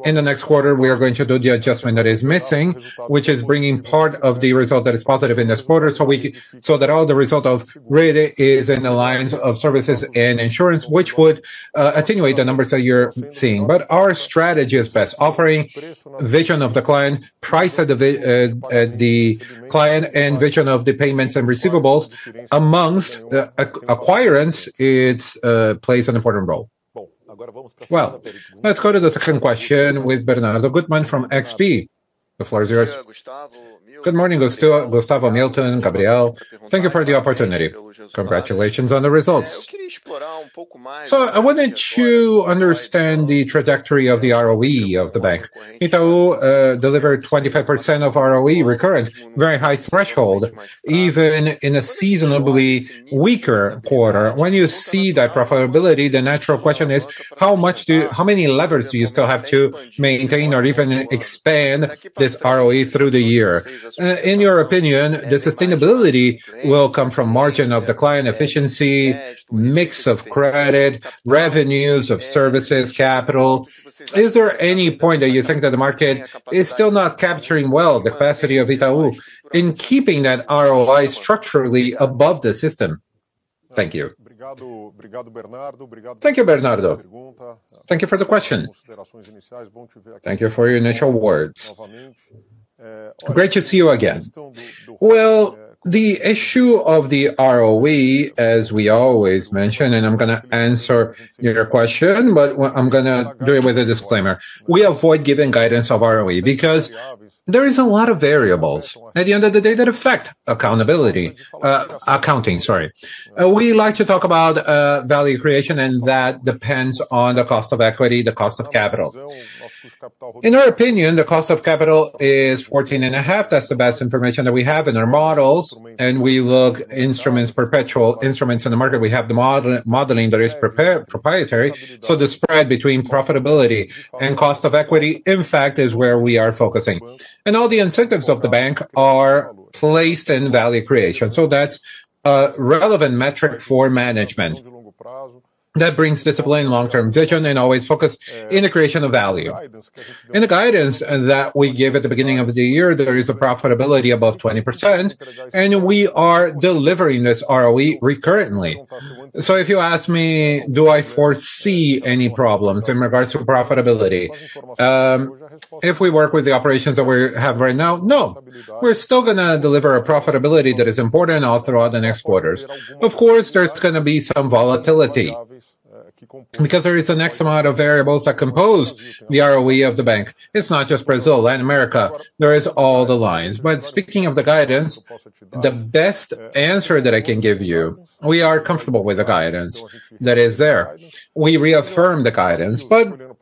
In the next quarter, we are going to do the adjustment that is missing, which is bringing part of the result that is positive in this quarter so that all the result of Rede is in the lines of services and insurance, which would attenuate the numbers that you're seeing. Our strategy is best, offering vision of the client, price of the client, and vision of the payments and receivables. Amongst acquirement, it plays an important role. Let's go to the second question with Bernardo Guttmann from XP. The floor is yours. Good morning, Gustavo, Milton, Gabriel. Thank you for the opportunity. Congratulations on the results. I wanted to understand the trajectory of the ROE of the bank. Itaú delivered 25% of ROE recurrent, very high threshold, even in a seasonably weaker quarter. When you see that profitability, the natural question is: how many levers do you still have to maintain or even expand this ROE through the year? In your opinion, the sustainability will come from margin of the client efficiency, mix of credit, revenues of services, capital. Is there any point that you think that the market is still not capturing well the capacity of Itaú in keeping that ROE structurally above the system? Thank you. Thank you, Bernardo. Thank you for the question. Thank you for your initial words. Great to see you again. Well, the issue of the ROE, as we always mention, and I'm gonna answer your question, but I'm gonna do it with a disclaimer. We avoid giving guidance of ROE because there is a lot of variables at the end of the day that affect accountability. Accounting, sorry. We like to talk about value creation, and that depends on the cost of equity, the cost of capital. In our opinion, the cost of capital is 14.5%. That's the best information that we have in our models, and we look instruments, perpetual instruments in the market. We have the modeling that is proprietary. The spread between profitability and cost of equity, in fact, is where we are focusing. All the incentives of the bank are placed in value creation, so that's a relevant metric for management. That brings discipline, long-term vision, and always focused in the creation of value. In the guidance that we gave at the beginning of the year, there is a profitability above 20%, and we are delivering this ROE recurrently. If you ask me, do I foresee any problems in regards to profitability, if we work with the operations that we have right now? No, we're still gonna deliver a profitability that is important all throughout the next quarters. Of course, there's gonna be some volatility because there is an X amount of variables that compose the ROE of the bank. It's not just Brazil. Latin America, there is all the lines. Speaking of the guidance, the best answer that I can give you, we are comfortable with the guidance that is there. We reaffirm the guidance.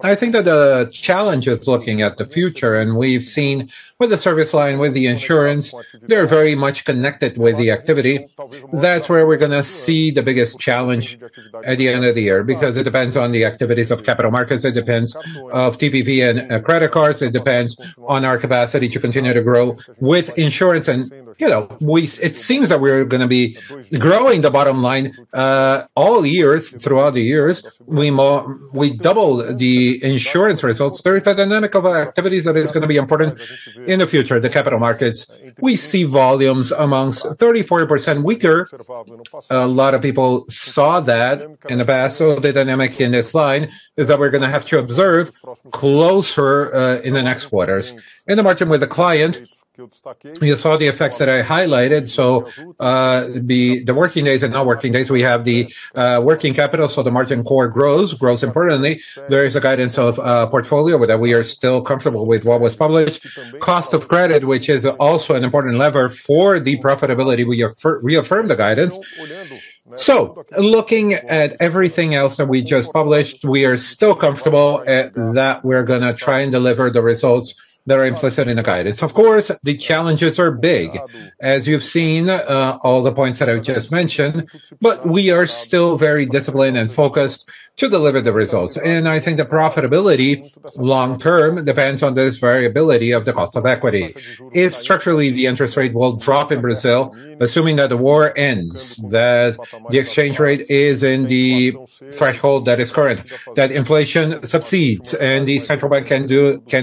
I think that the challenge is looking at the future, and we've seen with the service line, with the insurance, they're very much connected with the activity. That's where we're gonna see the biggest challenge at the end of the year because it depends on the activities of capital markets. It depends of TPV and credit cards. It depends on our capacity to continue to grow with insurance and, you know, it seems that we're gonna be growing the bottom line all years throughout the years. We double the insurance results. There is a dynamic of activities that is gonna be important in the future, the capital markets. We see volumes amongst 30%-40% weaker. A lot of people saw that in the past. The dynamic in this line is that we're gonna have to observe closer in the next quarters. In the margin with the client, you saw the effects that I highlighted. The, the working days and non-working days, we have the working capital, so the margin core grows. Grows importantly. There is a guidance of portfolio that we are still comfortable with what was published. Cost of credit, which is also an important lever for the profitability, we reaffirm the guidance. Looking at everything else that we just published, we are still comfortable that we're gonna try and deliver the results that are implicit in the guidance. Of course, the challenges are big, as you've seen, all the points that I've just mentioned, but we are still very disciplined and focused to deliver the results. I think the profitability long term depends on this variability of the cost of equity. If structurally the interest rate will drop in Brazil, assuming that the war ends, that the exchange rate is in the threshold that is current, that inflation subsides, the Central Bank can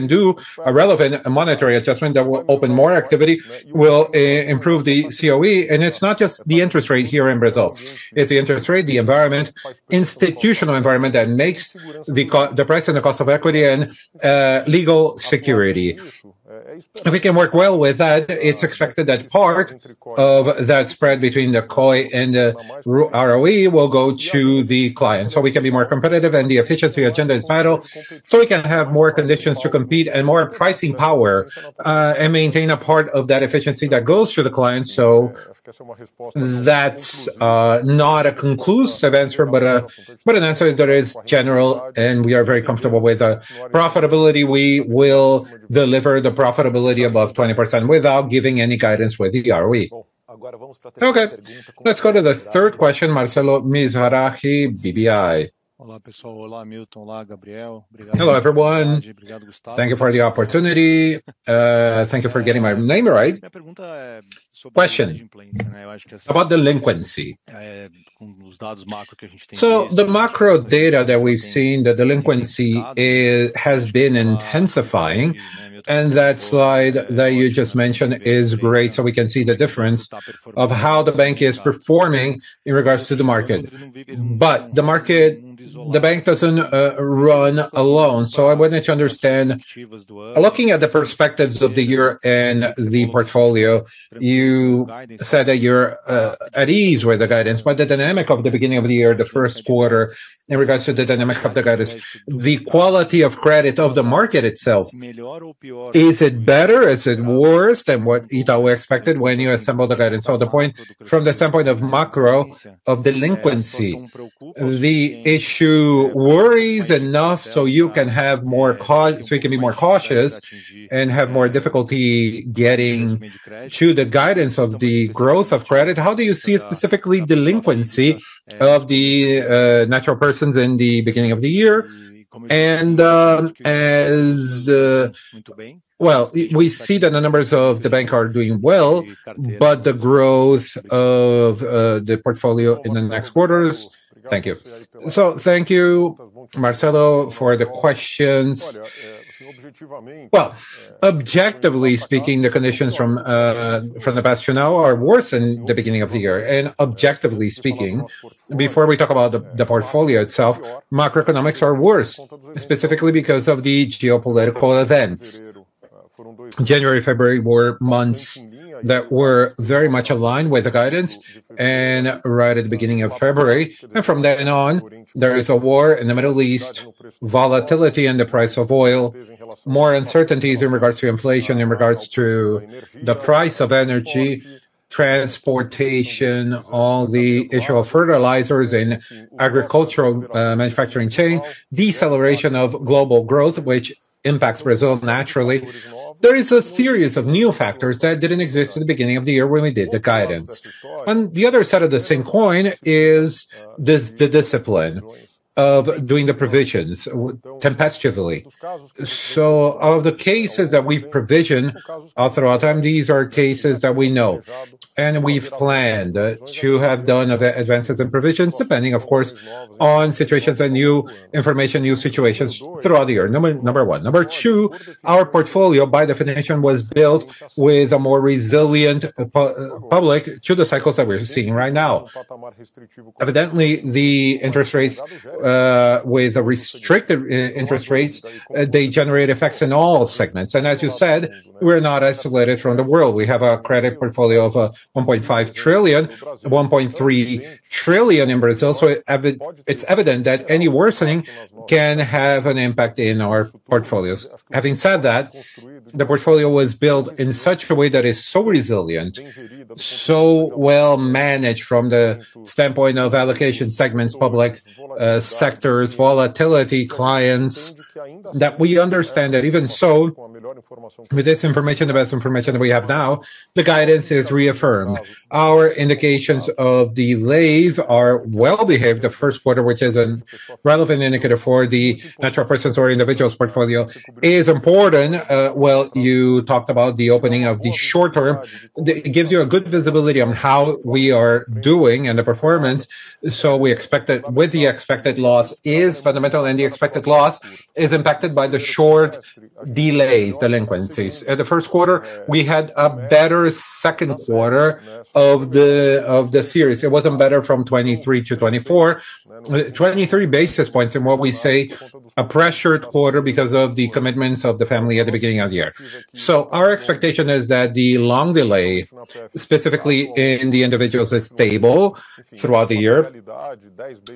do a relevant monetary adjustment that will open more activity, will improve the COE. It's not just the interest rate here in Brazil. It's the interest rate, the environment, institutional environment that makes the price and the cost of equity and legal security. If we can work well with that, it's expected that part of that spread between the COE and the ROE will go to the client, so we can be more competitive and the efficiency agenda is vital, so we can have more conditions to compete and more pricing power, and maintain a part of that efficiency that goes to the client. That's not a conclusive answer, but an answer that is general and we are very comfortable with the profitability. We will deliver the profitability above 20% without giving any guidance with the ROE. Okay, let's go to the third question, Marcelo Mizrahi, BBI. Hello, everyone. Thank you for the opportunity. Thank you for getting my name right. Question about delinquency. The macro data that we've seen, the delinquency has been intensifying, and that slide that you just mentioned is great, we can see the difference of how the bank is performing in regards to the market. The bank doesn't run alone. I wanted to understand, looking at the perspectives of the year and the portfolio, you said that you're at ease with the guidance. The dynamic of the beginning of the year, the first quarter, in regards to the dynamic of the guidance, the quality of credit of the market itself, is it better, is it worse than what Itaú expected when you assembled the guidance? From the standpoint of macro, of delinquency, the issue worries enough so you can be more cautious and have more difficulty getting to the guidance of the growth of credit. How do you see specifically delinquency of the natural persons in the beginning of the year? As Well, we see that the numbers of the bank are doing well, but the growth of the portfolio in the next quarters. Thank you. Thank you, Marcelo, for the questions. Well, objectively speaking, the conditions from the past to now are worse than the beginning of the year. Objectively speaking, before we talk about the portfolio itself, macroeconomics are worse, specifically because of the geopolitical events. January, February were months that were very much aligned with the guidance and right at the beginning of February. From then on, there is a war in the Middle East, volatility in the price of oil, more uncertainties in regards to inflation, in regards to the price of energy. Transportation, all the issue of fertilizers in agricultural manufacturing chain, deceleration of global growth, which impacts Brazil naturally. There is a series of new factors that didn't exist at the beginning of the year when we did the guidance. On the other side of the same coin is this, the discipline of doing the provisions tempestively. Of the cases that we've provisioned throughout time, these are cases that we know and we've planned to have done advances and provisions, depending, of course, on situations and new information, new situations throughout the year. Number one. Number two, our portfolio by definition was built with a more resilient public to the cycles that we're seeing right now. Evidently, the interest rates, with restricted interest rates, they generate effects in all segments. As you said, we're not isolated from the world. We have a credit portfolio of 1.5 trillion, 1.3 trillion in Brazil, it's evident that any worsening can have an impact in our portfolios. Having said that, the portfolio was built in such a way that is so resilient, so well managed from the standpoint of allocation segments, public, sectors, volatility clients, that we understand that even so, with this information, the best information that we have now, the guidance is reaffirmed. Our indications of delays are well behaved. The first quarter, which is a relevant indicator for the natural persons or individuals portfolio, is important. Well, you talked about the opening of the short term. It gives you a good visibility on how we are doing and the performance, so we expect that with the expected loss is fundamental, and the expected loss is impacted by the short delays, delinquencies. In the first quarter, we had a better second quarter of the, of the series. It wasn't better from 2023 to 2024. 23 basis points in what we say a pressured quarter because of the commitments of the family at the beginning of the year. Our expectation is that the long delay, specifically in the individuals, is stable throughout the year.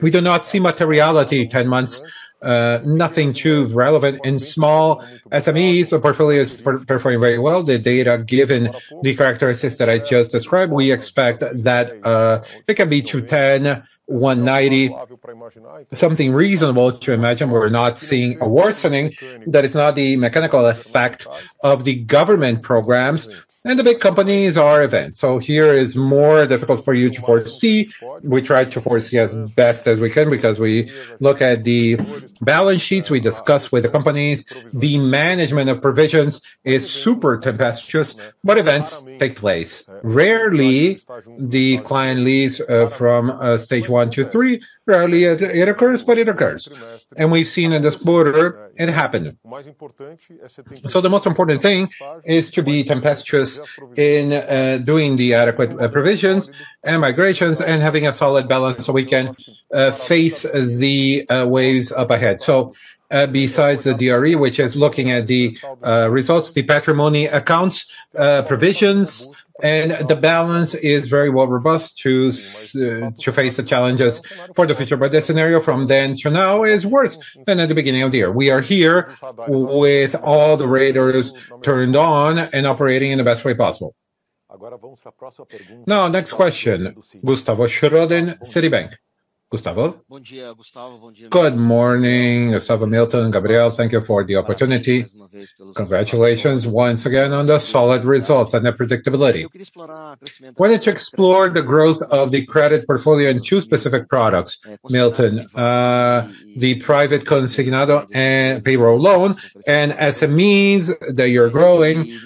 We do not see materiality 10 months, nothing too relevant. In small SMEs, the portfolio is performing very well. The data given the characteristics that I just described, we expect that it can be 210, 190, something reasonable to imagine we're not seeing a worsening that is not the mechanical effect of the government programs and the big companies are event. Here is more difficult for you to foresee. We try to foresee as best as we can because we look at the balance sheets we discuss with the companies. The management of provisions is super tempestuous, but events take place. Rarely the client leaves from stage one to three. Rarely it occurs, but it occurs. We've seen in this quarter it happened. The most important thing is to be tempestuous in doing the adequate provisions and migrations and having a solid balance so we can face the waves up ahead. Besides the DRE, which is looking at the results, the patrimony accounts, provisions, and the balance is very well robust to face the challenges for the future. The scenario from then to now is worse than at the beginning of the year. We are here with all the radars turned on and operating in the best way possible. Next question, Gustavo Schroden, Citibank. Gustavo? Good morning, Milton and Gabriel. Thank you for the opportunity. Congratulations once again on the solid results and the predictability. Wanted to explore the growth of the credit portfolio in two specific products, Milton. The private consignado and payroll loan and SMEs that you're growing.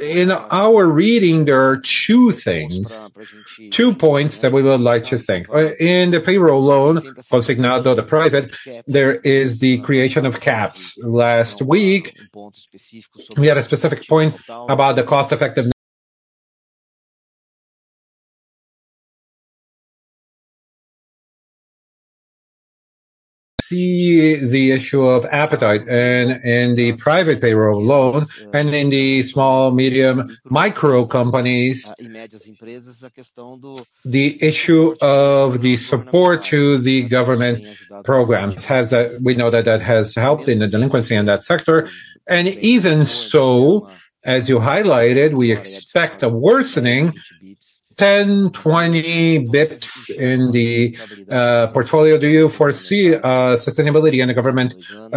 In our reading, there are two things, two points that we would like to think. In the payroll loan, consignado, the private, there is the creation of caps. Last week, we had a specific point about the cost effectiveness. See the issue of appetite in the private payroll loan and in the small, medium, micro companies. The issue of the support to the government programs has, we know that that has helped in the delinquency in that sector. Even so, as you highlighted, we expect a worsening 10, 20 basis points in the portfolio. Do you foresee sustainability in the government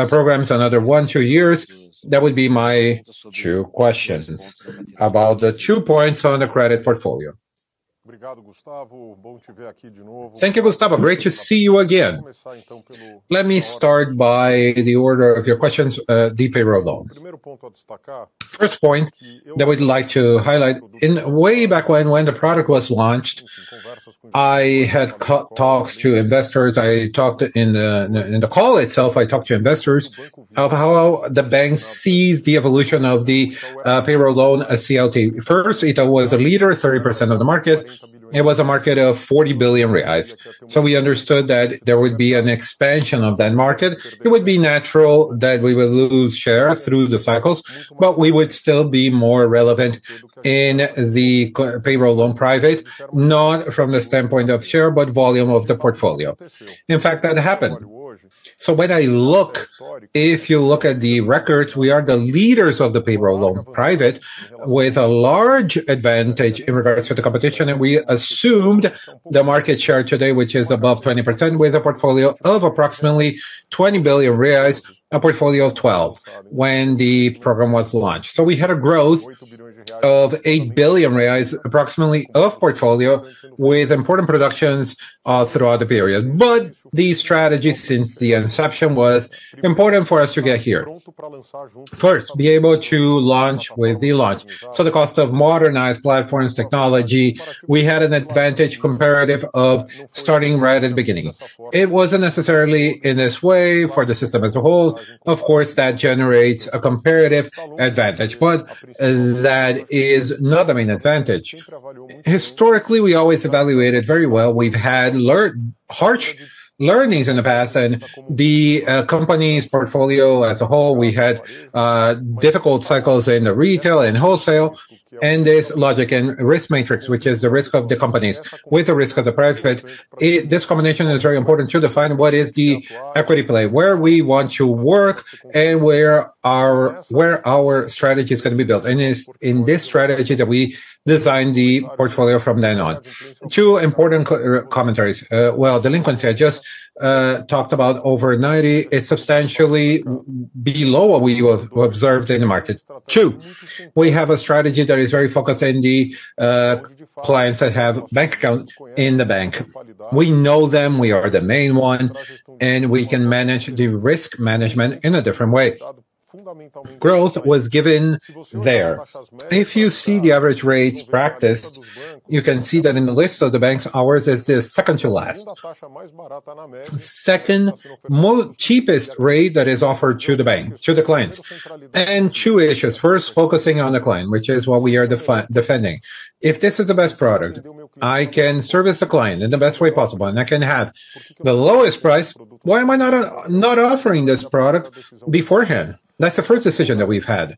programs another 1, 2 years? That would be my two questions about the two points on the credit portfolio. Thank you, Gustavo. Great to see you again. Let me start by the order of your questions, the payroll loan. First point that we'd like to highlight, in way back when the product was launched, I had co-talks to investors. I talked in the, in the call itself, I talked to investors of how the bank sees the evolution of the payroll loan as CLT. First, Itaú was a leader, 30% of the market. It was a market of 40 billion reais. We understood that there would be an expansion of that market. It would be natural that we would lose share through the cycles, but we would still be more relevant in the co-payroll loan private, not from the standpoint of share, but volume of the portfolio. In fact, that happened. When I look, if you look at the records, we are the leaders of the payroll loan private with a large advantage in regards to the competition, and we assumed the market share today, which is above 20% with a portfolio of approximately 20 billion reais, a portfolio of 12 billion when the program was launched. We had a growth of 8 billion reais approximately of portfolio with important productions throughout the period. The strategy since the inception was important for us to get here. First, be able to launch with the launch. The cost of modernized platforms technology, we had an advantage comparative of starting right at the beginning. It wasn't necessarily in this way for the system as a whole. Of course, that generates a comparative advantage, but that is not the main advantage. Historically, we always evaluated very well. We've had harsh learnings in the past and the company's portfolio as a whole, we had difficult cycles in the retail and wholesale and this logic and risk matrix, which is the risk of the companies with the risk of the private. This combination is very important to define what is the equity play, where we want to work and where our strategy is gonna be built. It's in this strategy that we designed the portfolio from then on. Two important commentaries. Well, delinquency, I just talked about over 90. It's substantially below what we observed in the market. Two, we have a strategy that is very focused in the clients that have bank accounts in the bank. We know them, we are the main one, we can manage the risk management in a different way. Growth was given there. If you see the average rates practiced, you can see that in the list of the banks, ours is the second to last. Second cheapest rate that is offered to the bank, to the clients. Two issues. First, focusing on the client, which is what we are defending. If this is the best product, I can service the client in the best way possible, and I can have the lowest price, why am I not offering this product beforehand? That's the first decision that we've had.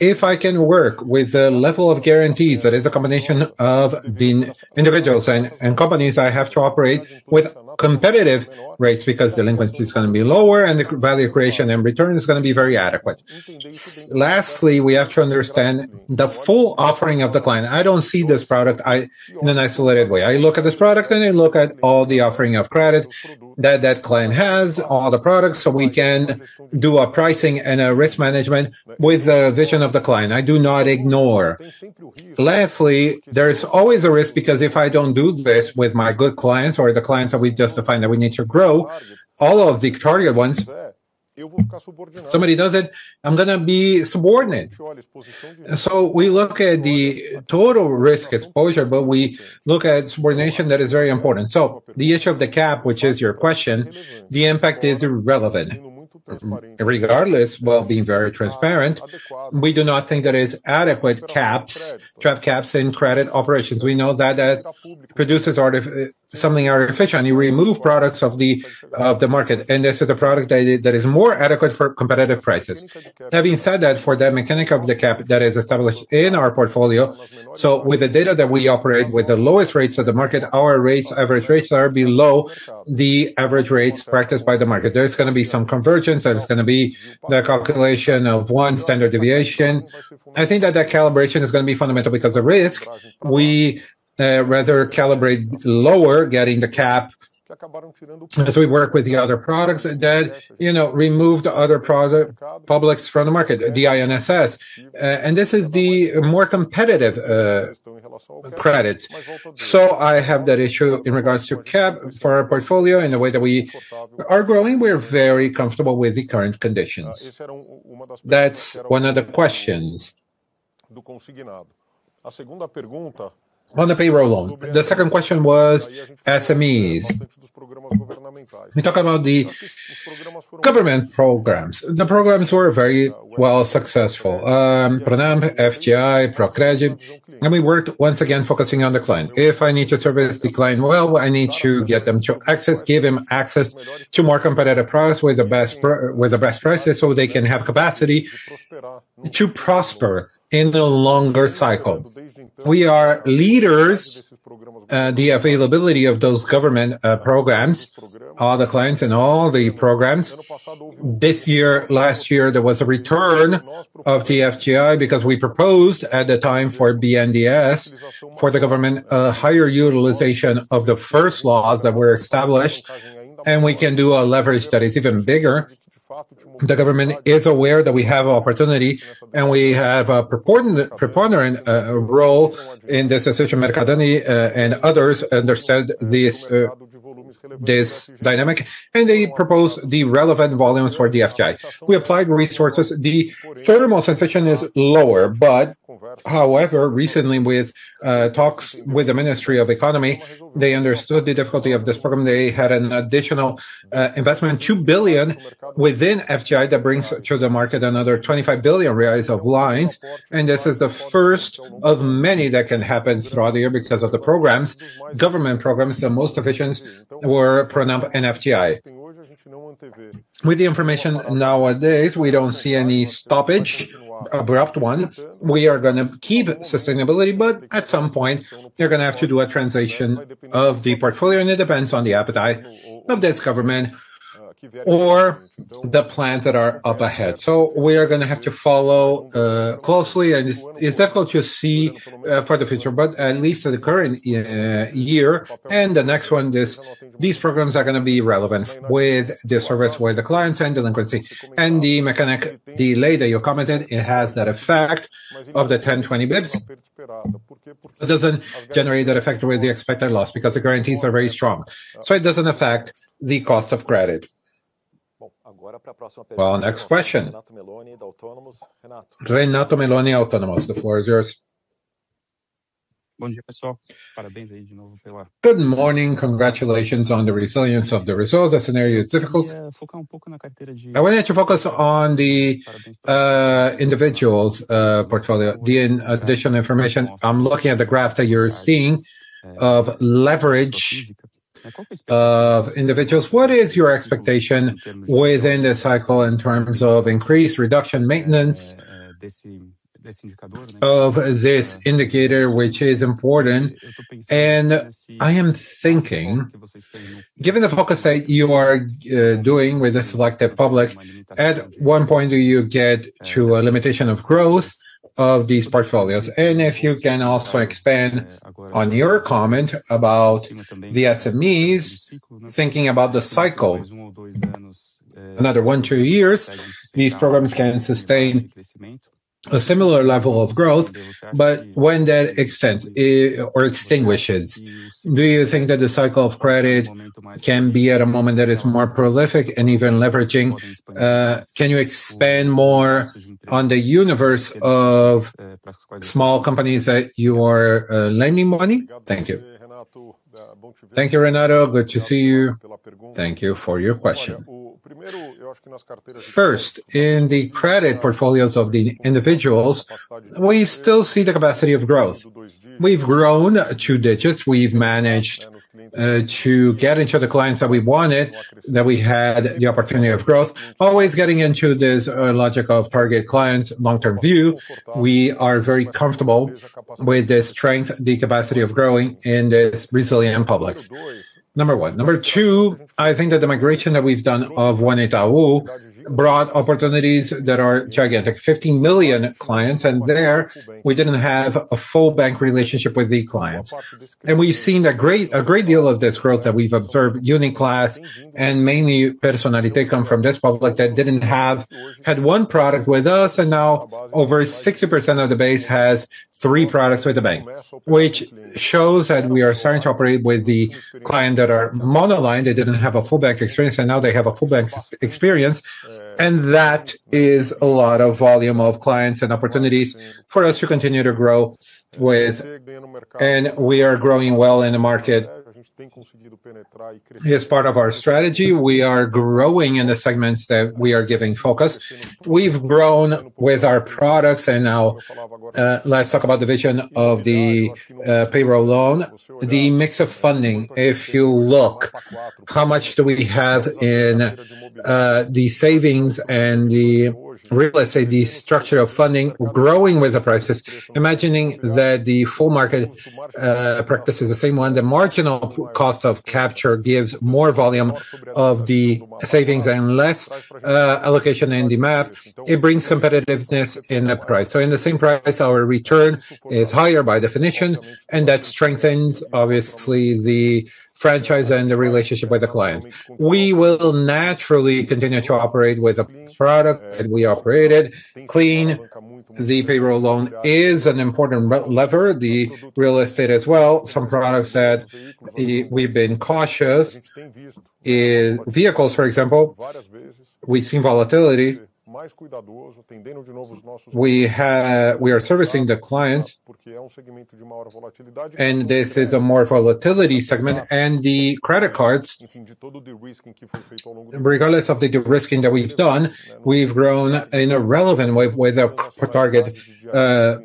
If I can work with a level of guarantees that is a combination of the individuals and companies, I have to operate with competitive rates because delinquency is gonna be lower and the value creation and return is gonna be very adequate. Lastly, we have to understand the full offering of the client. I don't see this product in an isolated way. I look at this product, and I look at all the offering of credit that client has, all the products, so we can do a pricing and a risk management with the vision of the client. I do not ignore. Lastly, there is always a risk because if I don't do this with my good clients or the clients that we justify that we need to grow, all of the targeted ones, somebody does it, I'm gonna be subordinate. We look at the total risk exposure, but we look at subordination that is very important. The issue of the cap, which is your question, the impact is irrelevant. Regardless, while being very transparent, we do not think there is adequate caps, to have caps in credit operations. We know that that produces something artificial, and you remove products of the market. This is a product that is more adequate for competitive prices. Having said that, for the mechanic of the cap that is established in our portfolio, so with the data that we operate with the lowest rates of the market, our rates, average rates are below the average rates practiced by the market. There's gonna be some convergence, and it's gonna be the calculation of one standard deviation. I think that that calibration is gonna be fundamental because the risk, we rather calibrate lower getting the cap as we work with the other products that, you know, remove the other products from the market, the INSS. This is the more competitive credit. I have that issue in regards to cap for our portfolio. In the way that we are growing, we're very comfortable with the current conditions. That's one of the questions. On the payroll loan. The second question was SMEs. We talk about the government programs. The programs were very well successful. PRONAF, FGI, Procred, we worked once again focusing on the client. If I need to service the client well, I need to get them to access, give them access to more competitive products with the best prices so they can have capacity to prosper in the longer cycle. We are leaders, the availability of those government programs, all the clients in all the programs. This year, last year, there was a return of the FGI because we proposed at the time for BNDES, for the government, a higher utilization of the first laws that were established, we can do a leverage that is even bigger. The government is aware that we have opportunity, we have a preponderant role in this. Especially Aloizio Mercadante, and others understand this dynamic, and they propose the relevant volumes for the FGI. We applied resources. The thermal sensation is lower, but however, recently with talks with the Ministry of Economy, they understood the difficulty of this program. They had an additional investment, 2 billion within FGI that brings to the market another 25 billion reais of lines. This is the first of many that can happen throughout the year because of the programs. Government programs, the most efficient were PRONAF and FGI. With the information nowadays, we don't see any stoppage, abrupt one. We are gonna keep sustainability, but at some point, they're gonna have to do a transition of the portfolio, and it depends on the appetite of this government. The plans that are up ahead. We are gonna have to follow closely and it's difficult to see for the future, but at least for the current year and the next one, these programs are gonna be relevant with the service, with the clients and delinquency. The mechanic delay that you commented, it has that effect of the 10, 20 bips. It doesn't generate that effect with the expected loss because the guarantees are very strong. It doesn't affect the cost of credit. Well, next question. Renato Meloni, Autonomous Research, the floor is yours. Good morning. Congratulations on the resilience of the results. The scenario is difficult. I wanted to focus on the individuals portfolio. In additional information, I'm looking at the graph that you're seeing of leverage of individuals. What is your expectation within the cycle in terms of increased reduction maintenance of this indicator, which is important? I am thinking, given the focus that you are doing with the selected public, at one point do you get to a limitation of growth of these portfolios? If you can also expand on your comment about the SMEs thinking about the cycle. Another one, two years, these programs can sustain a similar level of growth, but when that extends or extinguishes, do you think that the cycle of credit can be at a moment that is more prolific and even leveraging? Can you expand more on the universe of small companies that you are lending money? Thank you. Thank you, Renato. Good to see you. Thank you for your question. First, in the credit portfolios of the individuals, we still see the capacity of growth. We've grown two digits. We've managed to get into the clients that we wanted, that we had the opportunity of growth. Always getting into this logic of target clients, long-term view, we are very comfortable with the strength, the capacity of growing in this resilient public, number one. Number two, I think that the migration that we've done of One Itaú brought opportunities that are gigantic. 50 million clients. There we didn't have a full bank relationship with the clients. We've seen a great deal of this growth that we've observed, Uniclass and mainly Personnalité come from this public that didn't have one product with us, and now over 60% of the base has three products with the bank, which shows that we are starting to operate with the client that are monoline. They didn't have a full bank experience. Now they have a full bank experience. That is a lot of volume of clients and opportunities for us to continue to grow with. We are growing well in the market. As part of our strategy, we are growing in the segments that we are giving focus. We've grown with our products. Now, let's talk about the vision of the payroll loan. The mix of funding, if you look how much do we have in the savings and the real estate, the structure of funding growing with the prices, imagining that the full market practices the same one, the marginal cost of capture gives more volume of the savings and less allocation in the map. It brings competitiveness in the price. In the same price, our return is higher by definition, and that strengthens obviously the franchise and the relationship with the client. We will naturally continue to operate with the products that we operated. Clean, the payroll loan is an important lever. The real estate as well. Some products that we've been cautious. Vehicles, for example, we've seen volatility. We are servicing the clients, and this is a more volatility segment. The credit cards, regardless of the de-risking that we've done, we've grown in a relevant way with a target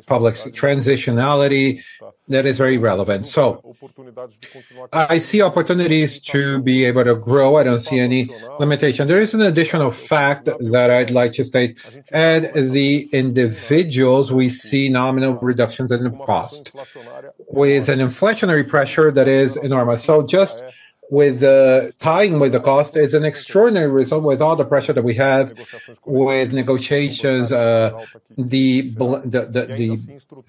public's transitionality that is very relevant. I see opportunities to be able to grow. I don't see any limitation. There is an additional fact that I'd like to state. At the individuals, we see nominal reductions in the cost with an inflationary pressure that is enormous. Just with the tying with the cost is an extraordinary result with all the pressure that we have with negotiations, the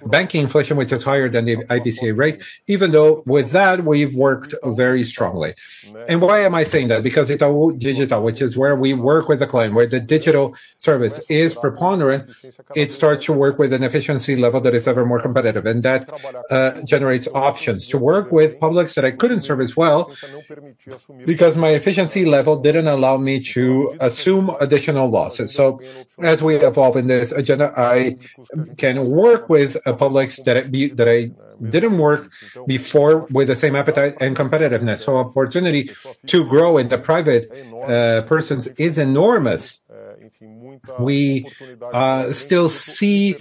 banking inflation, which is higher than the IPCA rate, even though with that, we've worked very strongly. Why am I saying that? Itaú Digital, which is where we work with the client, where the digital service is preponderant, it starts to work with an efficiency level that is ever more competitive, and that generates options to work with publics that I couldn't serve as well because my efficiency level didn't allow me to assume additional losses. As we evolve in this agenda, I can work with publics that I didn't work before with the same appetite and competitiveness. Opportunity to grow in the private persons is enormous. We still see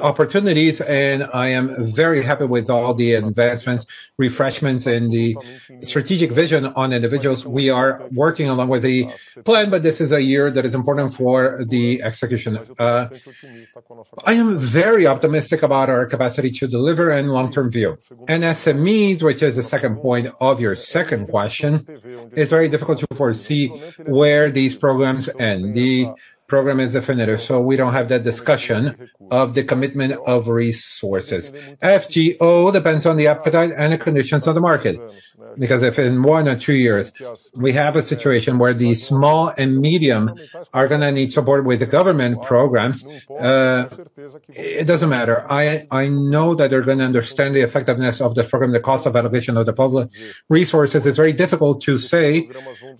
Opportunities, and I am very happy with all the investments, refreshments, and the strategic vision on individuals. We are working along with the plan, but this is a year that is important for the execution. I am very optimistic about our capacity to deliver and long-term view. SMEs, which is the second point of your second question, it's very difficult to foresee where these programs end. The program is definitive, so we don't have that discussion of the commitment of resources. FGO depends on the appetite and the conditions of the market. If in one or two years we have a situation where the small and medium are going to need support with the government programs, it doesn't matter. I know that they're going to understand the effectiveness of the program, the cost of elevation of the public resources. It's very difficult to say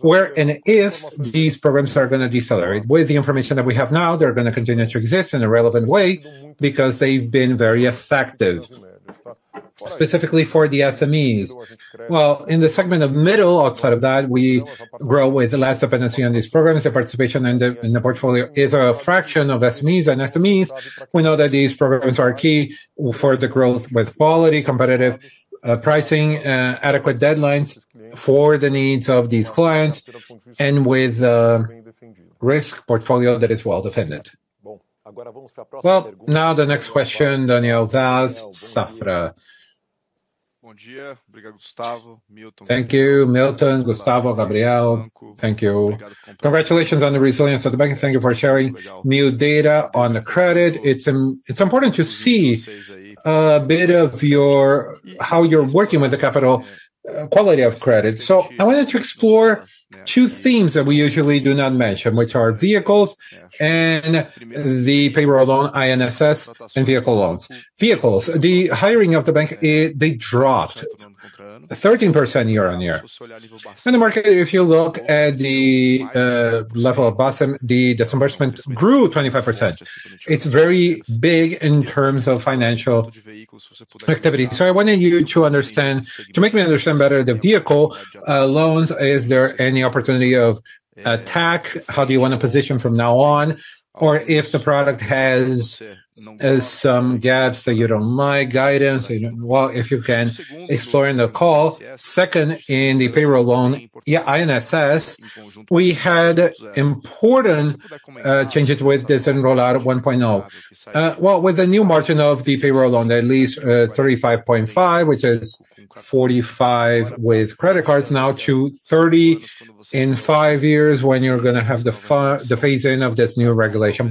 where and if these programs are going to decelerate. With the information that we have now, they're going to continue to exist in a relevant way because they've been very effective, specifically for the SMEs. Well, in the segment of middle, outside of that, we grow with less dependency on these programs. The participation in the portfolio is a fraction of SMEs. SMEs, we know that these programs are key for the growth with quality, competitive pricing, adequate deadlines for the needs of these clients and with risk portfolio that is well-defended. The next question, Daniel Vaz, Safra. Thank you, Milton, Gustavo, Gabriel. Thank you. Congratulations on the resilience of the bank, and thank you for sharing new data on the credit. It's important to see a bit of how you're working with the capital, quality of credit. I wanted to explore two themes that we usually do not mention, which are vehicles and the payroll loan, INSS, and vehicle loans. Vehicles, the hiring of the bank, they dropped 13% year-over-year. In the market, if you look at the level of BNDES, the disbursement grew 25%. It's very big in terms of financial activity. I wanted you to make me understand better the vehicle loans. Is there any opportunity of attack? How do you wanna position from now on? If the product has some gaps that you don't like, guidance, you know, if you can explore in the call. Second, in the payroll loan, yeah, INSS, we had important changes with this Desenrola 1.0. Well, with the new margin of the payroll loan, at least 35.5, which is 45 with credit cards now to 30 in five years when you're gonna have the phase-in of this new regulation.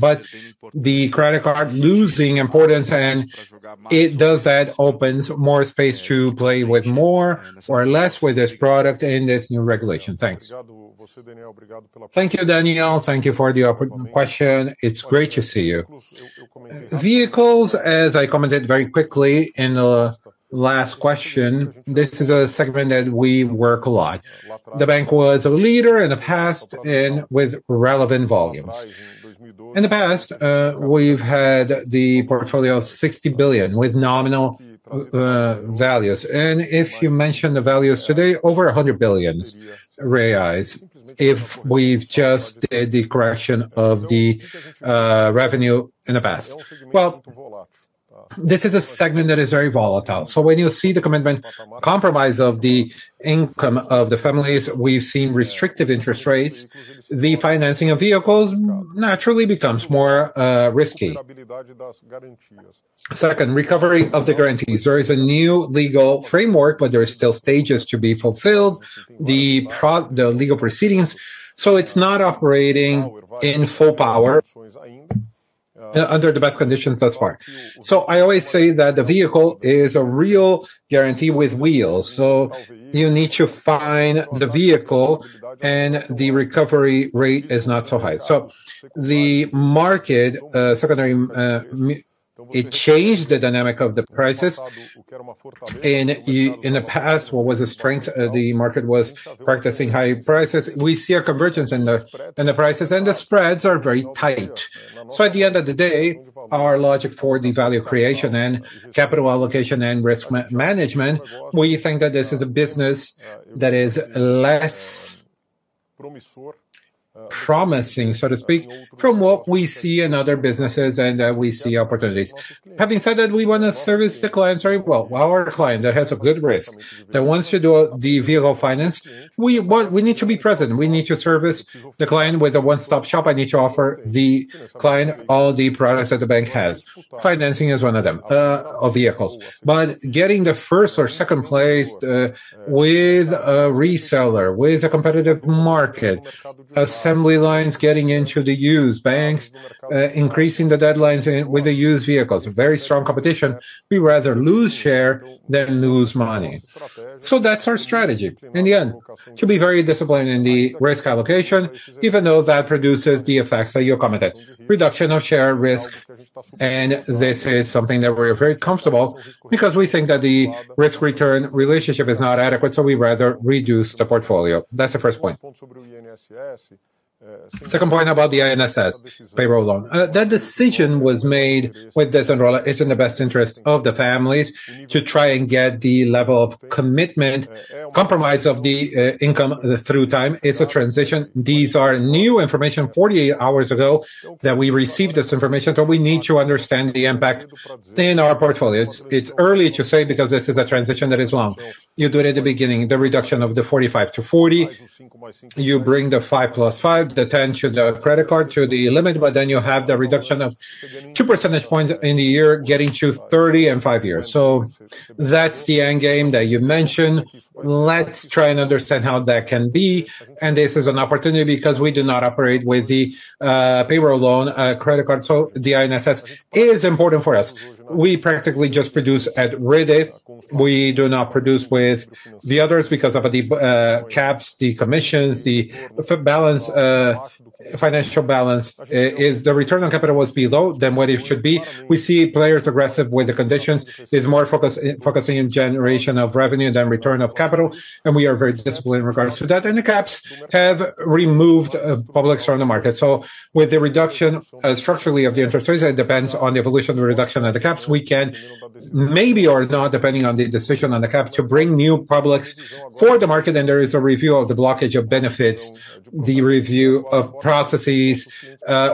The credit card losing importance, and it does that opens more space to play with more or less with this product in this new regulation. Thanks. Thank you, Daniel. Thank you for the question. It's great to see you. Vehicles, as I commented very quickly in the last question, this is a segment that we work a lot. The bank was a leader in the past with relevant volumes. In the past, we've had the portfolio of 60 billion with nominal values. If you mention the values today, over 100 billion reais, if we've just did the correction of the revenue in the past. Well, this is a segment that is very volatile. When you see the commitment compromise of the income of the families, we've seen restrictive interest rates, the financing of vehicles naturally becomes more risky. Second, recovery of the guarantees. There is a new legal framework, but there are still stages to be fulfilled, the legal proceedings. It's not operating in full power under the best conditions thus far. I always say that the vehicle is a real guarantee with wheels, so you need to find the vehicle, and the recovery rate is not so high. The market, secondary, it changed the dynamic of the prices. In the past, what was the strength? The market was practicing high prices. We see a convergence in the prices, and the spreads are very tight. At the end of the day, our logic for the value creation and capital allocation and risk management, we think that this is a business that is less promising, so to speak, from what we see in other businesses and we see opportunities. Having said that, we wanna service the clients very well. Our client that has a good risk, that wants to do the vehicle finance, we need to be present. We need to service the client with a one-stop shop. I need to offer the client all the products that the bank has. Financing is one of them, of vehicles. Getting the first or second place with a reseller, with a competitive market, assembly lines getting into the used, banks increasing the deadlines with the used vehicles, very strong competition. We rather lose share than lose money. That's our strategy, in the end, to be very disciplined in the risk allocation, even though that produces the effects that you commented, reduction of share risk. This is something that we're very comfortable because we think that the risk-return relationship is not adequate, so we rather reduce the portfolio. That's the first point. Second point about the INSS payroll loan. That decision was made with Bacen. It's in the best interest of the families to try and get the level of commitment, compromise of the income through time. It's a transition. These are new information 48 hours ago that we received this information, so we need to understand the impact in our portfolio. It's early to say because this is a transition that is long. You do it at the beginning, the reduction of the 45-40. You bring the five plus five, the 10 to the credit card to the limit, but then you have the reduction of 2 percentage points in a year getting to 30 in five years. That's the end game that you mentioned. Let's try and understand how that can be, and this is an opportunity because we do not operate with the payroll loan credit card. The INSS is important for us. We practically just produce at rate. We do not produce with the others because of the caps, the commissions, the financial balance. If the return on capital was below, then what it should be, we see players aggressive with the conditions. It's more focusing in generation of revenue than return of capital, and we are very disciplined in regards to that. The caps have removed publics from the market. With the reduction, structurally of the interest rates, it depends on the evolution, the reduction of the caps. We can maybe or not, depending on the decision on the cap, to bring new publics for the market. There is a review of the blockage of benefits, the review of processes.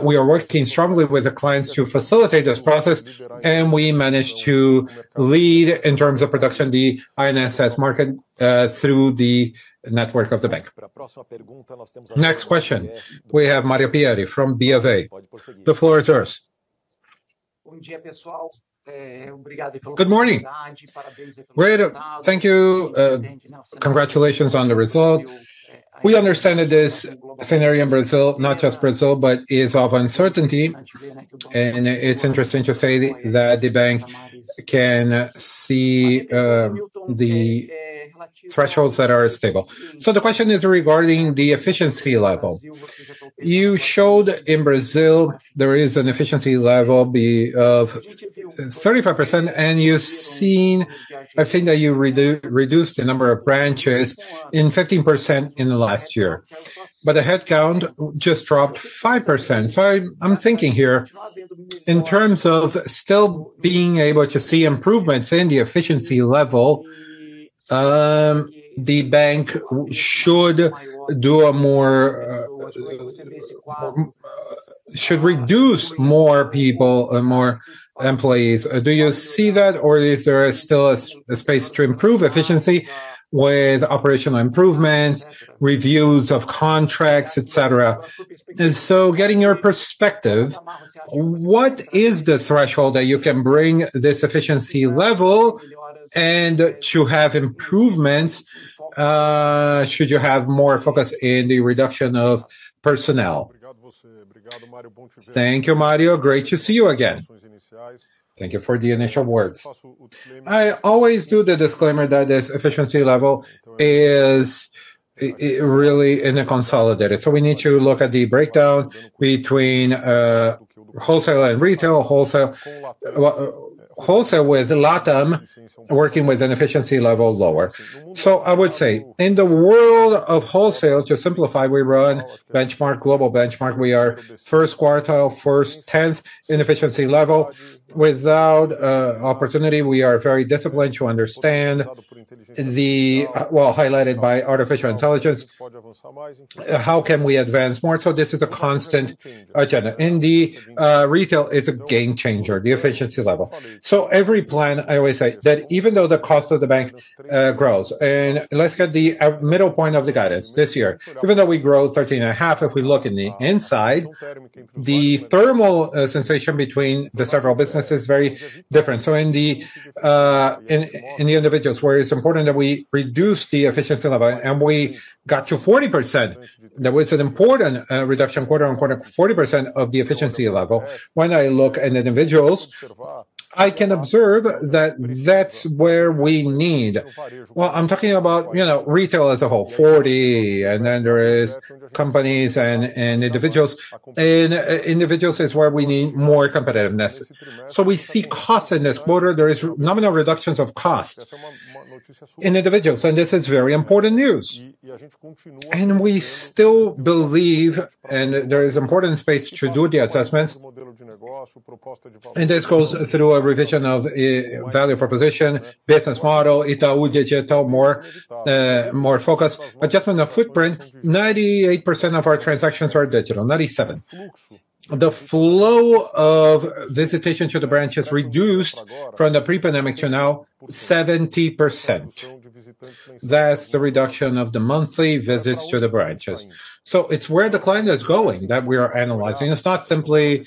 We are working strongly with the clients to facilitate this process. We managed to lead in terms of production the INSS market, through the network of the bank. Next question, we have Mario Pierry from BofA. The floor is yours. Good morning. Great. Thank you. Congratulations on the result. We understand that this scenario in Brazil, not just Brazil, but is of uncertainty. It's interesting to say that the bank can see, the thresholds that are stable. The question is regarding the efficiency level. You showed in Brazil there is an efficiency level of 35%, and you've seen I think that you reduced the number of branches in 15% in the last year. The headcount just dropped 5%. I'm thinking here, in terms of still being able to see improvements in the efficiency level, the bank should do a more, should reduce more people or more employees. Do you see that, or is there still a space to improve efficiency with operational improvements, reviews of contracts, et cetera? Getting your perspective, what is the threshold that you can bring this efficiency level and to have improvements, should you have more focus in the reduction of personnel? Thank you, Mario. Great to see you again. Thank you for the initial words. I always do the disclaimer that this efficiency level is really in a consolidated. We need to look at the breakdown between wholesale and retail. Wholesale, wholesale with LATAM working with an efficiency level lower. I would say in the world of wholesale, to simplify, we run benchmark, global benchmark. We are first quartile, first tenth in efficiency level. Without opportunity, we are very disciplined to understand the highlighted by artificial intelligence, how can we advance more. This is a constant agenda. In the retail, it's a game changer, the efficiency level. Every plan, I always say that even though the cost of the bank grows, and let's get the middle point of the guidance this year. Even though we grow 13.5%, if we look in the inside, the thermal sensation between the several businesses is very different. In the, in the individuals where it's important that we reduce the efficiency level, and we got to 40%. That was an important reduction quarter-over-quarter, 40% of the efficiency level. When I look at individuals, I can observe that that's where we need. Well, I'm talking about, you know, retail as a whole, 40%, and then there is companies and individuals. Individuals is where we need more competitiveness. We see cost in this quarter. There is nominal reductions of costs in individuals, and this is very important news. We still believe, and there is important space to do the assessments. This goes through a revision of a value proposition, business model, Itaú Digital, more, more focus. Adjustment of footprint, 98% of our transactions are digital, 97%. The flow of visitation to the branch has reduced from the pre-pandemic to now 70%. That's the reduction of the monthly visits to the branches. It's where the client is going that we are analyzing. It's not simply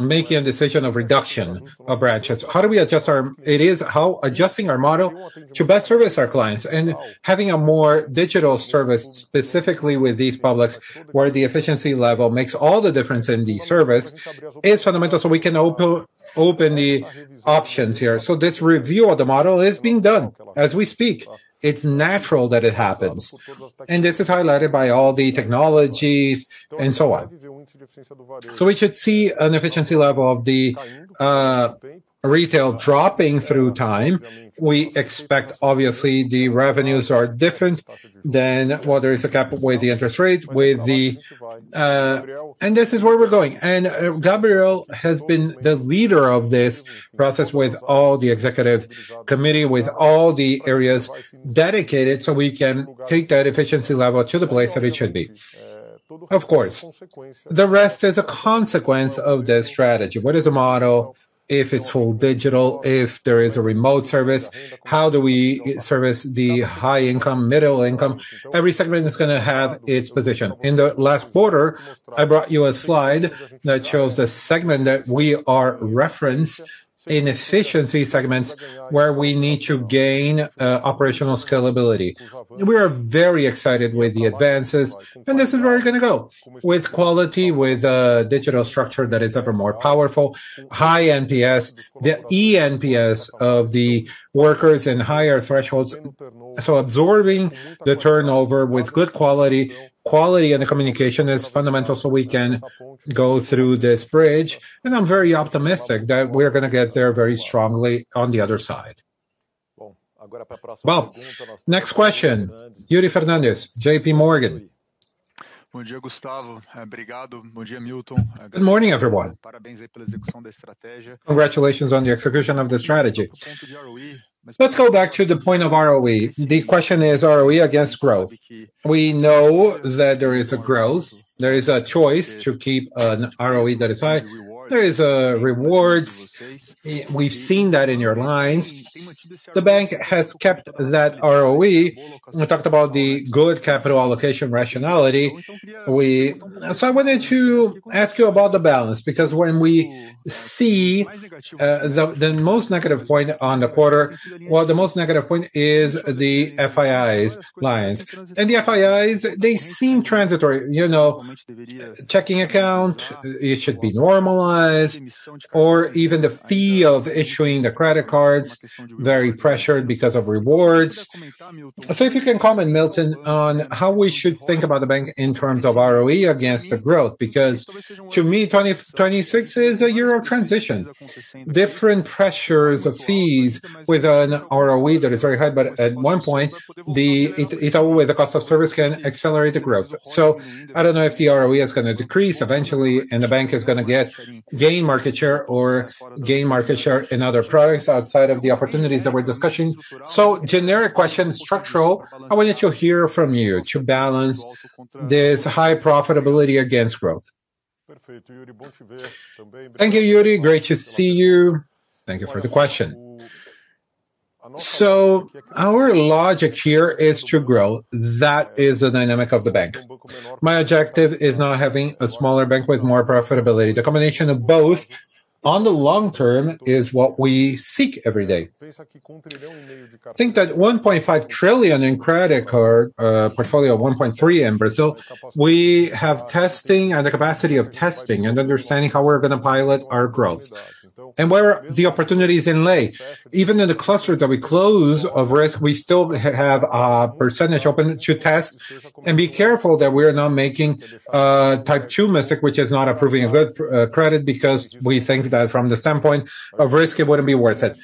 making a decision of reduction of branches. It is how adjusting our model to best service our clients and having a more digital service specifically with these publics where the efficiency level makes all the difference in the service is fundamental, so we can open the options here. This review of the model is being done as we speak. It's natural that it happens, and this is highlighted by all the technologies and so on. We should see an efficiency level of the retail dropping through time. We expect, obviously, the revenues are different than while there is a cap with the interest rate, with the. This is where we're going. Gabriel has been the leader of this process with all the executive committee, with all the areas dedicated, so we can take that efficiency level to the place that it should be. Of course. The rest is a consequence of the strategy. What is the model if it's full digital, if there is a remote service? How do we service the high income, middle income? Every segment is gonna have its position. In the last quarter, I brought you a slide that shows the segment that we are reference in efficiency segments where we need to gain operational scalability. We are very excited with the advances, and this is where we're gonna go. With quality, with a digital structure that is ever more powerful, high NPS, the eNPS of the workers and higher thresholds. Absorbing the turnover with good quality and the communication is fundamental so we can go through this bridge, and I'm very optimistic that we're gonna get there very strongly on the other side. Next question. Yuri Fernandes, JPMorgan. Good morning, everyone. Congratulations on the execution of the strategy. Let's go back to the point of ROE. The question is ROE against growth. We know that there is a growth. There is a choice to keep an ROE that is high. There is rewards. We've seen that in your lines. The bank has kept that ROE. We talked about the good capital allocation rationality. I wanted to ask you about the balance because when we see the most negative point on the quarter, well, the most negative point is the FII's lines. The FIIs, they seem transitory. You know, checking account, it should be normalized, or even the fee of issuing the credit cards, very pressured because of rewards. If you can comment, Milton, on how we should think about the bank in terms of ROE against the growth. Because to me, 2026 is a year of transition. Different pressures of fees with an ROE that is very high, but at one point, with the cost of service can accelerate the growth. I don't know if the ROE is gonna decrease eventually and the bank is gonna gain market share or gain market share in other products outside of the opportunities that we're discussing. Generic question, structural, I wanted to hear from you to balance this high profitability against growth. Thank you, Yuri. Great to see you. Thank you for the question. Our logic here is to grow. That is the dynamic of the bank. My objective is not having a smaller bank with more profitability. The combination of both on the long term is what we seek every day. Think that 1.5 trillion in credit card portfolio, 1.3 trillion in Brazil, we have testing and the capacity of testing and understanding how we're gonna pilot our growth and where the opportunities inlay. Even in the cluster that we close of risk, we still have a percentage open to test and be careful that we're not making a type two mistake, which is not approving a good credit because we think that from the standpoint of risk, it wouldn't be worth it.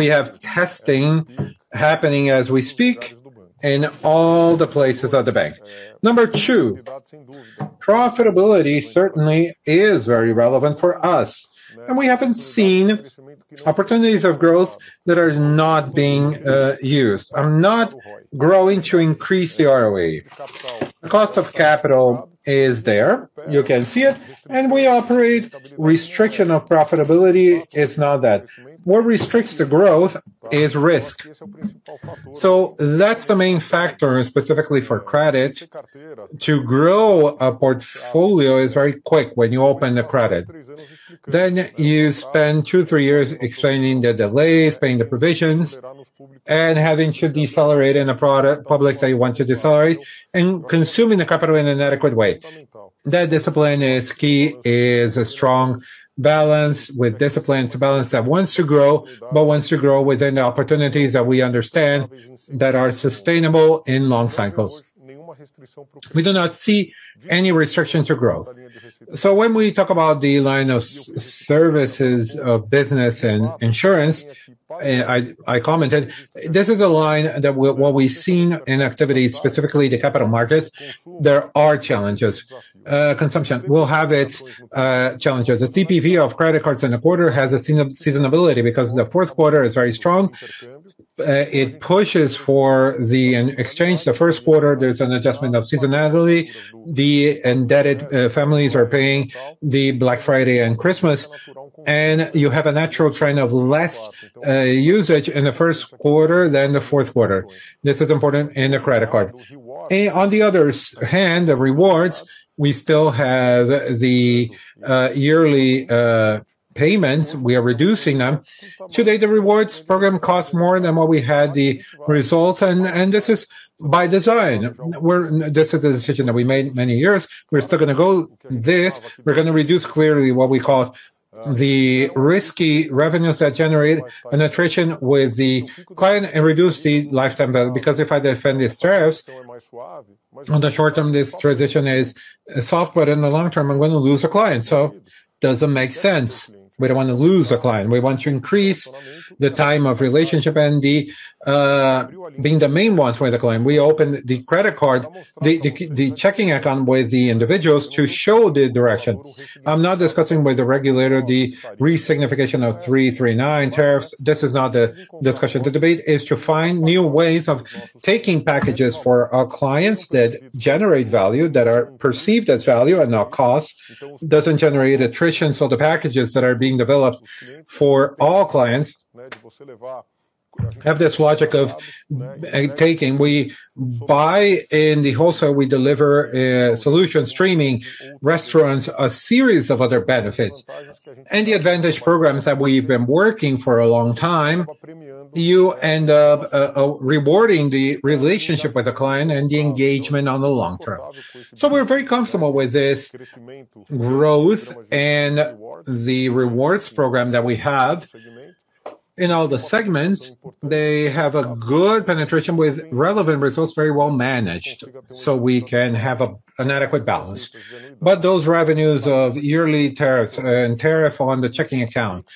We have testing happening as we speak in all the places of the bank. Number two, profitability certainly is very relevant for us, and we haven't seen opportunities of growth that are not being used, are not growing to increase the ROE. Cost of capital is there. You can see it. We operate. Restriction of profitability is not that. What restricts the growth is risk. That's the main factor, specifically for credit. To grow a portfolio is very quick when you open the credit. You spend two, three years explaining the delays, paying the provisions, and having to decelerate in a publish that you want to decelerate and consuming the capital in an adequate way. That discipline is key, is a strong balance with discipline. It's a balance that wants to grow, but wants to grow within the opportunities that we understand that are sustainable in long cycles. We do not see any restrictions or growth. When we talk about the line of services of business and insurance, I commented, this is a line that what we've seen in activities, specifically the capital markets, there are challenges. Consumption will have its challenges. The TPV of credit cards in the quarter has a seasonability because the fourth quarter is very strong. It pushes for the exchange. The first quarter, there's an adjustment of seasonality. The indebted families are paying the Black Friday and Christmas, and you have a natural trend of less usage in the first quarter than the fourth quarter. This is important in the credit card. On the other hand, the rewards, we still have the yearly payments. We are reducing them. Today, the rewards program costs more than what we had the results, and this is by design. This is a decision that we made many years. We're still gonna go this. We're gonna reduce clearly what we call the risky revenues that generate an attrition with the client and reduce the lifetime value. Because if I defend these tariffs, on the short term, this transition is soft, but in the long term, I'm gonna lose a client. Doesn't make sense. We don't want to lose a client. We want to increase the time of relationship and the being the main ones for the client. We open the credit card, the checking account with the individuals to show the direction. I'm now discussing with the regulator the re-signification of 339 tariffs. This is not the discussion. The debate is to find new ways of taking packages for our clients that generate value, that are perceived as value and not cost, doesn't generate attrition. The packages that are being developed for all clients have this logic of taking. We buy in the wholesale, we deliver solutions, streaming, restaurants, a series of other benefits. The advantage programs that we've been working for a long time, you end up rewarding the relationship with the client and the engagement on the long term. We're very comfortable with this growth and the rewards program that we have. In all the segments, they have a good penetration with relevant results, very well managed, so we can have an adequate balance. Those revenues of yearly tariffs and tariff on the checking account,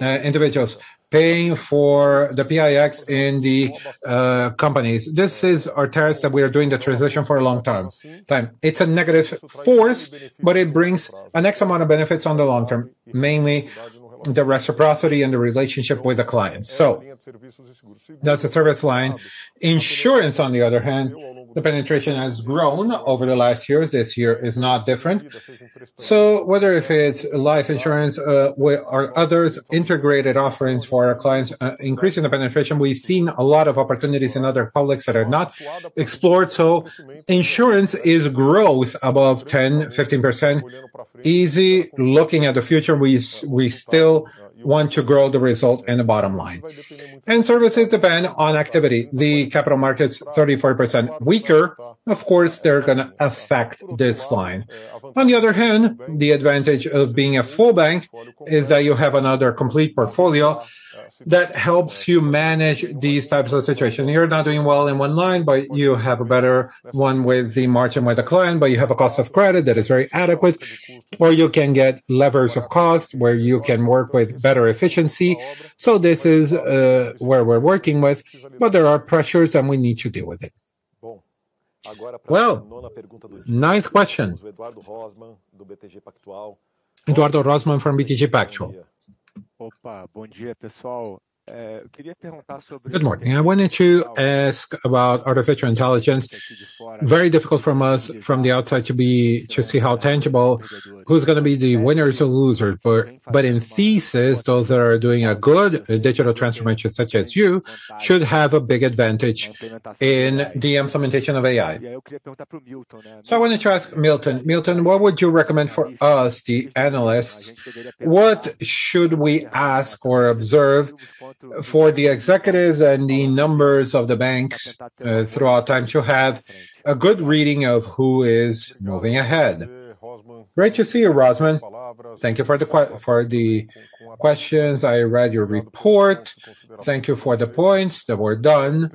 individuals paying for the Pix in the companies, this is our tariffs that we are doing the transition for a long time. It's a negative force, but it brings an X amount of benefits on the long term, mainly the reciprocity and the relationship with the clients. That's the service line. Insurance, on the other hand, the penetration has grown over the last years. This year is not different. Whether if it's life insurance, or others integrated offerings for our clients, increasing the penetration, we've seen a lot of opportunities in other publics that are not explored. Insurance is growth above 10%, 15%. Easy looking at the future, we still want to grow the result and the bottom line. Services depend on activity. The capital market's 34% weaker. Of course, they're gonna affect this line. On the other hand, the advantage of being a full bank is that you have another complete portfolio that helps you manage these types of situation. You're not doing well in one line, but you have a better one with the margin with the client, but you have a cost of credit that is very adequate, or you can get levers of cost where you can work with better efficiency. This is where we're working with, but there are pressures, and we need to deal with it. Ninth question. Eduardo Rosman from BTG Pactual. Good morning. I wanted to ask about artificial intelligence. Very difficult from us from the outside to see how tangible, who's gonna be the winners or losers. In thesis, those that are doing a good digital transformation, such as you, should have a big advantage in the implementation of AI. I wanted to ask Milton. Milton, what would you recommend for us, the analysts? What should we ask or observe for the executives and the numbers of the banks throughout time to have a good reading of who is moving ahead? Great to see you, Rosman. Thank you for the questions. I read your report. Thank you for the points that were done.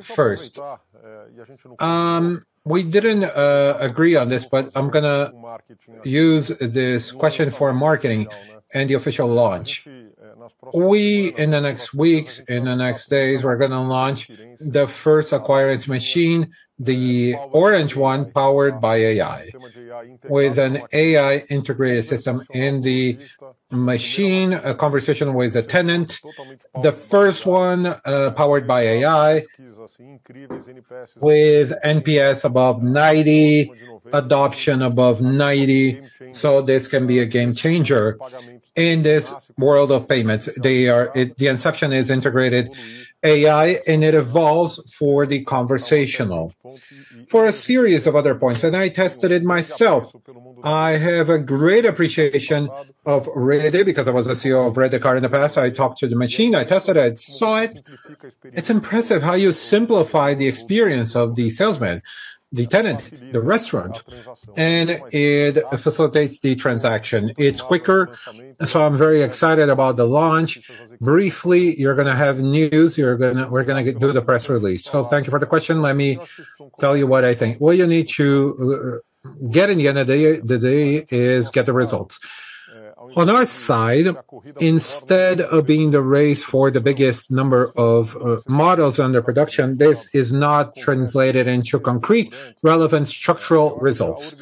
First, we didn't agree on this, but I'm gonna use this question for marketing and the official launch. We, in the next weeks, in the next days, we're gonna launch the first acquiring machine, the orange one powered by AI, with an AI integrated system in the machine, a conversation with the tenant. The first one powered by AI with NPS above 90, adoption above 90. This can be a game changer in this world of payments. The inception is integrated AI. It evolves for the conversational. For a series of other points. I tested it myself. I have a great appreciation of Rede because I was a CEO of Redecard in the past. I talked to the machine, I tested it, saw it. It's impressive how you simplify the experience of the salesman, the tenant, the restaurant, and it facilitates the transaction. It's quicker. I'm very excited about the launch. Briefly, you're going to have news. We're going to do the press release. Thank you for the question. Let me tell you what I think. What you need to get in the end of the day is get the results. On our side, instead of being the race for the biggest number of models under production, this is not translated into concrete relevant structural results.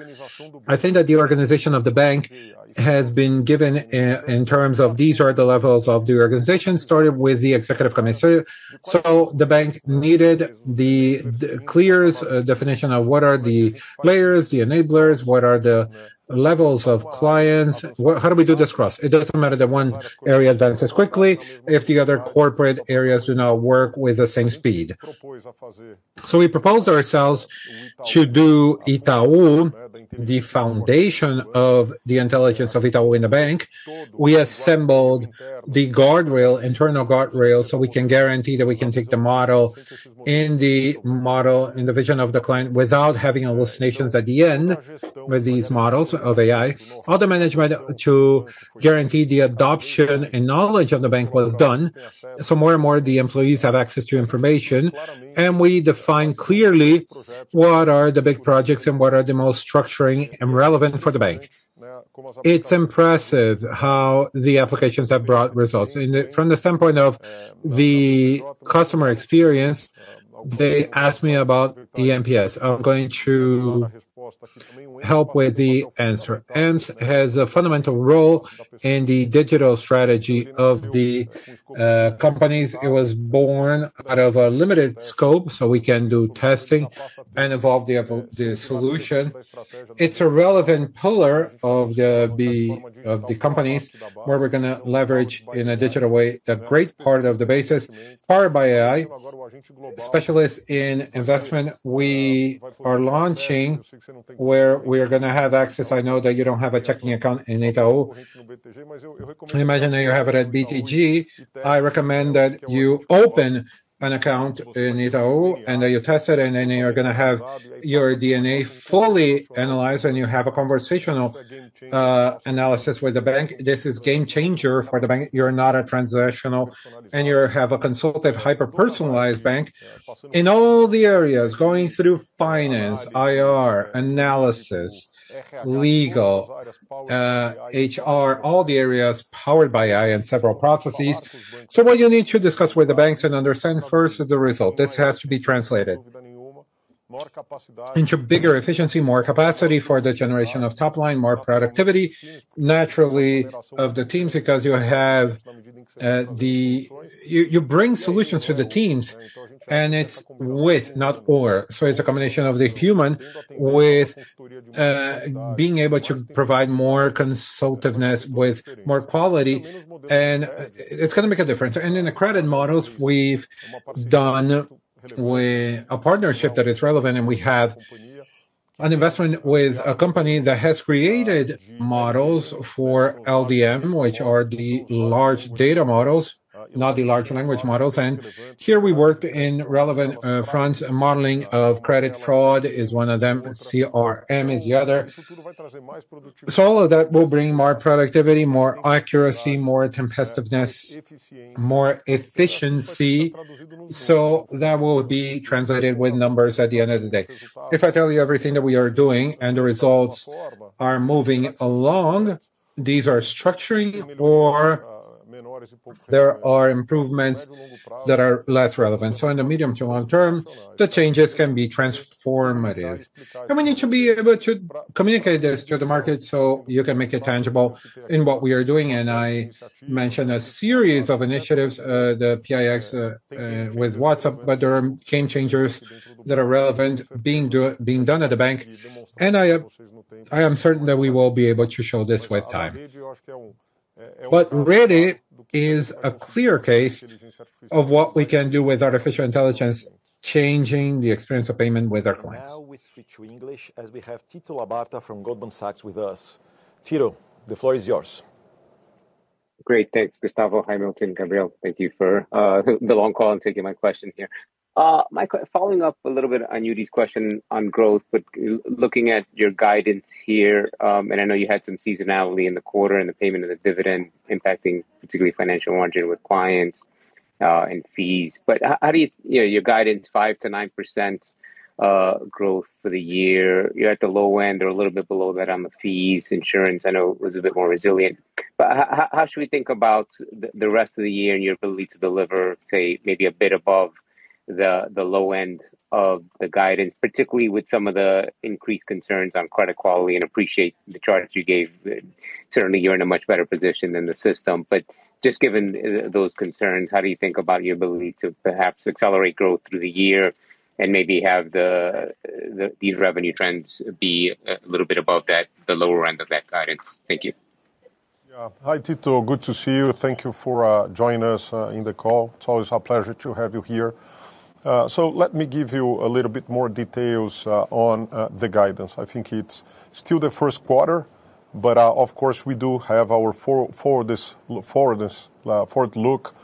I think that the organization of the bank has been given in terms of these are the levels of the organization, starting with the executive commissioner. The bank needed the clear definition of what are the layers, the enablers, what are the levels of clients, how do we do this cross? It doesn't matter that one area advances quickly if the other corporate areas do not work with the same speed. We proposed ourselves to do Itaú, the foundation of the intelligence of Itaú in the bank. We assembled the guardrail, internal guardrail, so we can guarantee that we can take the model, in the vision of the client without having hallucinations at the end with these models of AI. Other management to guarantee the adoption and knowledge of the bank was done. More and more, the employees have access to information. We define clearly what are the big projects and what are the most structuring and relevant for the bank. It's impressive how the applications have brought results. From the standpoint of the customer experience, they asked me about the NPS. Help with the answer. The app has a fundamental role in the digital strategy of the companies. It was born out of a limited scope, so we can do testing and evolve the solution. It's a relevant pillar of the of the companies where we're gonna leverage in a digital way the great part of the basis powered by AI. Specialist in investment, we are launching where we are gonna have access. I know that you don't have a checking account in Itaú. I imagine that you have it at BTG. I recommend that you open an account in Itaú, and then you test it, and then you're gonna have your DNA fully analyzed, and you have a conversational analysis with the bank. This is game changer for the bank. You're not a transactional, and you have a consultative, hyper-personalized bank. In all the areas, going through finance, IR, analysis, legal, HR, all the areas powered by AI and several processes. What you need to discuss with the banks and understand first is the result. This has to be translated into bigger efficiency, more capacity for the generation of top line, more productivity, naturally, of the teams because you bring solutions to the teams, and it's with, not or. It's a combination of the human with being able to provide more consultiveness with more quality, and it's gonna make a difference. In the credit models, we've done with a partnership that is relevant, and we have an investment with a company that has created models for LDM, which are the large data models, not the large language models. Here we worked in relevant fronts. Modeling of credit fraud is one of them. CRM is the other. All of that will bring more productivity, more accuracy, more tempestiveness, more efficiency. That will be translated with numbers at the end of the day. If I tell you everything that we are doing and the results are moving along, these are structuring or there are improvements that are less relevant. In the medium to long term, the changes can be transformative. We need to be able to communicate this to the market so you can make it tangible in what we are doing. I mentioned a series of initiatives, the Pix, with WhatsApp. There are game changers that are relevant being done at the bank, and I am certain that we will be able to show this with time. Rede is a clear case of what we can do with artificial intelligence, changing the experience of payment with our clients. Now we switch to English as we have Tito Labarta from Goldman Sachs with us. Tito, the floor is yours. Great. Thanks, Gustavo, Milton, Gabriel. Thank you for the long call and taking my question here. Following up a little bit on Yuri's question on growth, looking at your guidance here, and I know you had some seasonality in the quarter and the payment of the dividend impacting particularly financial margin with clients, and fees. How do you You know, your guidance 5%-9% growth for the year. You're at the low end or a little bit below that on the fees. Insurance I know was a bit more resilient. How, how should we think about the rest of the year and your ability to deliver, say, maybe a bit above the low end of the guidance, particularly with some of the increased concerns on credit quality? Appreciate the charts you gave. Certainly, you're in a much better position than the system. Just given those concerns, how do you think about your ability to perhaps accelerate growth through the year and maybe have these revenue trends be a little bit above that, the lower end of that guidance? Thank you. Yeah. Hi, Tito. Good to see you. Thank you for joining us in the call. It's always a pleasure to have you here. Let me give you a little bit more details on the guidance. I think it's still the first quarter, but of course, we do have our forward look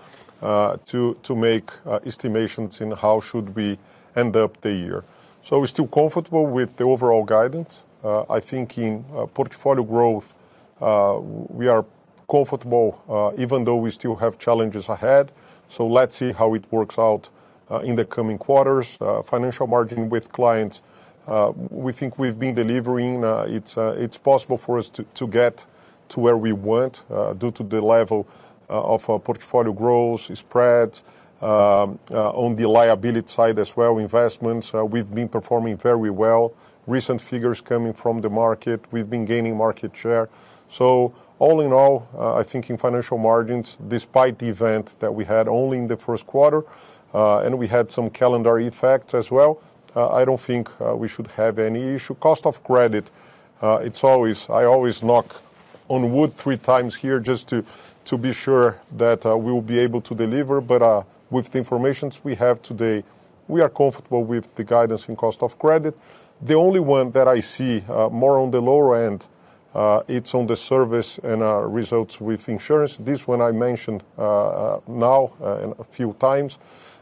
to make estimations in how should we end up the year. We're still comfortable with the overall guidance. I think in portfolio growth, we are comfortable, even though we still have challenges ahead. Let's see how it works out in the coming quarters. Financial margin with clients, we think we've been delivering. It's possible for us to get to where we want due to the level of our portfolio growth, spread. On the liability side as well, investments, we've been performing very well. Recent figures coming from the market, we've been gaining market share. All in all, I think in financial margins, despite the event that we had only in the first quarter, and we had some calendar effects as well, I don't think we should have any issue. Cost of credit, it's always I always knock on wood 3x here just to be sure that we will be able to deliver. With the informations we have today, we are comfortable with the guidance in cost of credit. The only one that I see more on the lower end, it's on the service and our results with insurance. This one I mentioned now a few times.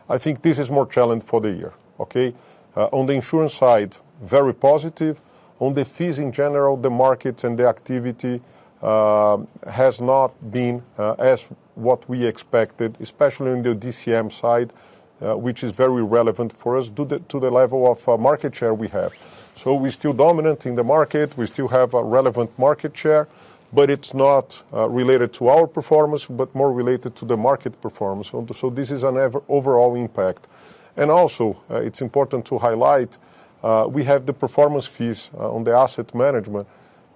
I think this is more challenge for the year. Okay? On the insurance side, very positive. On the fees in general, the market and the activity has not been as what we expected, especially in the DCM side, which is very relevant for us due to the level of market share we have. We're still dominant in the market, we still have a relevant market share, but it's not related to our performance, but more related to the market performance. This is an over-overall impact. Also, it's important to highlight, we have the performance fees on the asset management.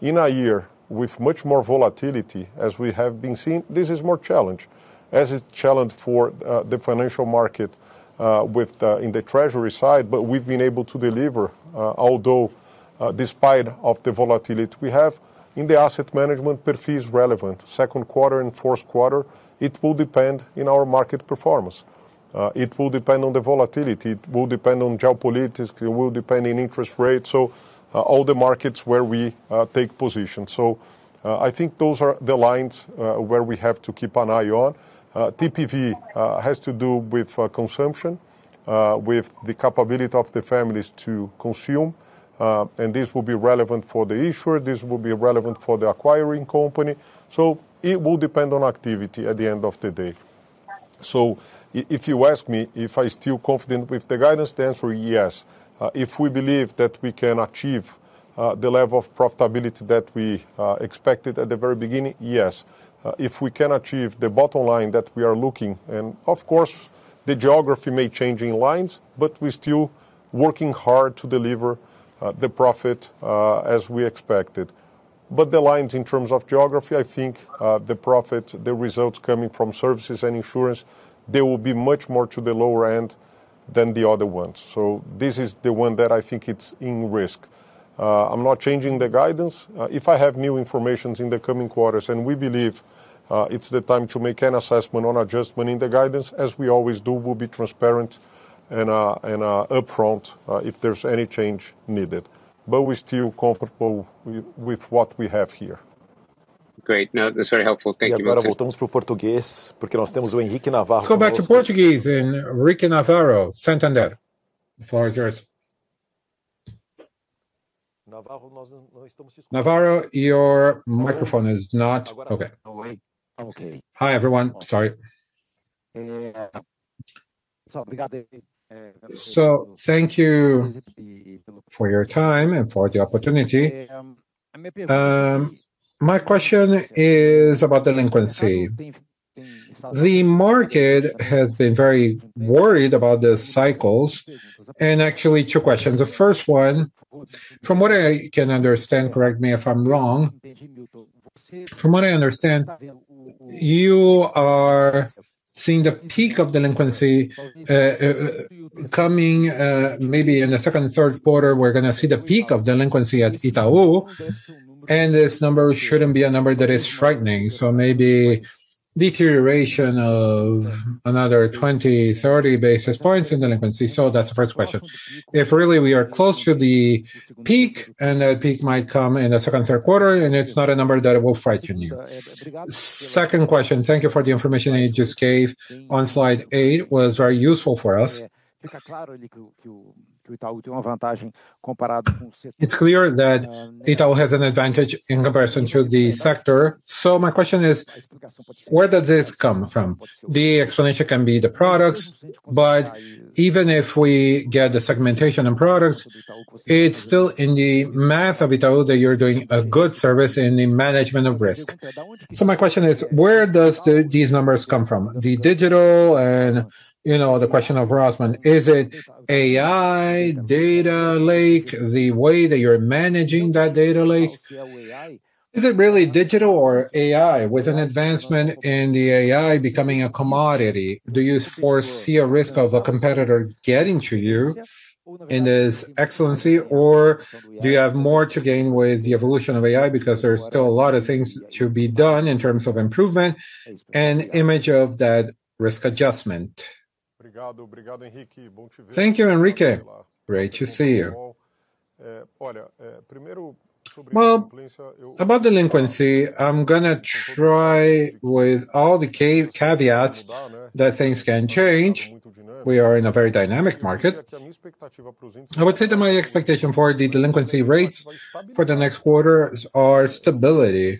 In a year with much more volatility, as we have been seeing, this is more challenge. As is challenge for, the financial market, with in the treasury side, but we've been able to deliver, although, despite of the volatility we have. In the asset management, perf fee is relevant. Second quarter and fourth quarter, it will depend in our market performance. It will depend on the volatility, it will depend on geopolitics, it will depend on interest rates, so, all the markets where we, take position. I think those are the lines, where we have to keep an eye on. TPV, has to do with, consumption, with the capability of the families to consume, and this will be relevant for the issuer, this will be relevant for the acquiring company. It will depend on activity at the end of the day. If you ask me if I still confident with the guidance, the answer is yes. If we believe that we can achieve the level of profitability that we expected at the very beginning, yes. If we can achieve the bottom line that we are looking, and of course, the geography may change in lines, but we're still working hard to deliver the profit as we expected. The lines in terms of geography, I think, the profit, the results coming from services and insurance, they will be much more to the lower end than the other ones. This is the one that I think it's in risk. I'm not changing the guidance. If I have new information in the coming quarters, and we believe it's the time to make an assessment on adjustment in the guidance, as we always do, we'll be transparent and upfront if there's any change needed. We're still comfortable with what we have here. Great. No, that's very helpful. Thank you, Milton. Let's go back to Portuguese and Henrique Navarro, Santander. The floor is yours. Navarro, your microphone is not Okay. Okay. Hi, everyone. Sorry. Thank you for your time and for the opportunity. My question is about delinquency. The market has been very worried about the cycles. Actually, two questions. The first one, from what I can understand, correct me if I'm wrong. From what I understand, you are seeing the peak of delinquency coming maybe in the second and third quarter, we're gonna see the peak of delinquency at Itaú. This number shouldn't be a number that is frightening. Maybe deterioration of another 20, 30 basis points in delinquency. That's the first question. If really we are close to the peak, and that peak might come in the second, third quarter, and it's not a number that will frighten you. Second question, thank you for the information that you just gave on slide eight, was very useful for us. It's clear that Itaú has an advantage in comparison to the sector. My question is, where does this come from? The explanation can be the products, but even if we get the segmentation and products, it's still in the math of Itaú that you're doing a good service in the management of risk. My question is, where does these numbers come from? The digital and, you know, the question of Rosman, is it AI, data lake, the way that you're managing that data lake? Is it really digital or AI with an advancement in the AI becoming a commodity? Do you foresee a risk of a competitor getting to you in this excellency? Do you have more to gain with the evolution of AI because there's still a lot of things to be done in terms of improvement and image of that risk adjustment? Thank you, Henrique. Great to see you. Well, about delinquency, I'm gonna try with all the caveats that things can change. We are in a very dynamic market. I would say that my expectation for the delinquency rates for the next quarter is our stability,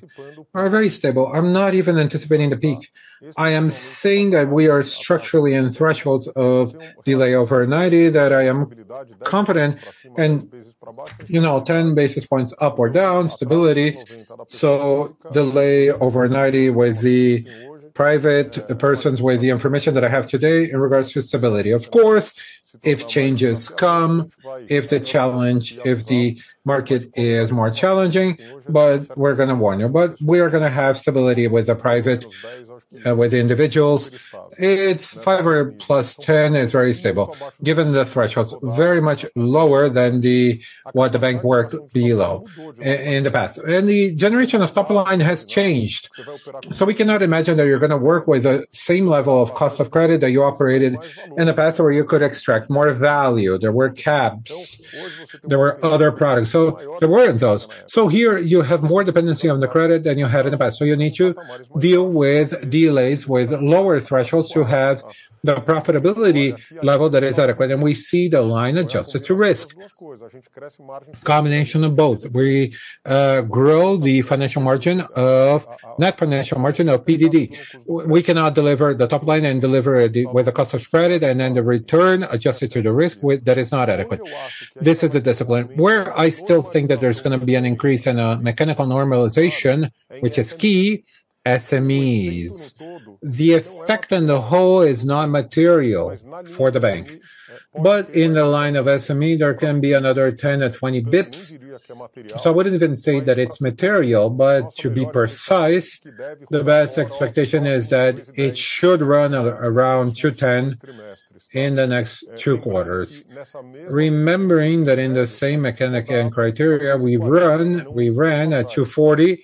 are very stable. I'm not even anticipating the peak. I am saying that we are structurally in thresholds of delay over 90 that I am confident and, you know, 10 basis points up or down, stability. So delay over 90 with the private persons, with the information that I have today in regards to stability. Of course, if changes come, if the market is more challenging, we're gonna warn you. We are gonna have stability with the private, with the individuals. It's five or plus 10 is very stable, given the thresholds very much lower than what the bank worked below in the past. The generation of top line has changed. We cannot imagine that you're gonna work with the same level of cost of credit that you operated in the past where you could extract more value. There were caps, there were other products. There weren't those. Here you have more dependency on the credit than you had in the past, so you need to deal with delays, with lower thresholds to have the profitability level that is adequate, and we see the line adjusted to risk. Combination of both. We grow the financial margin of Not financial margin of PDD. We cannot deliver the top line and deliver with the cost of credit the return adjusted to the risk that is not adequate. This is the discipline. Where I still think that there's gonna be an increase in a mechanical normalization, which is key, SMEs. The effect on the whole is non-material for the bank. In the line of SME, there can be another 10 or 20 basis points. I wouldn't even say that it's material, but to be precise, the best expectation is that it should run around 210 in the next two quarters. Remembering that in the same mechanical criteria we run, we ran at 240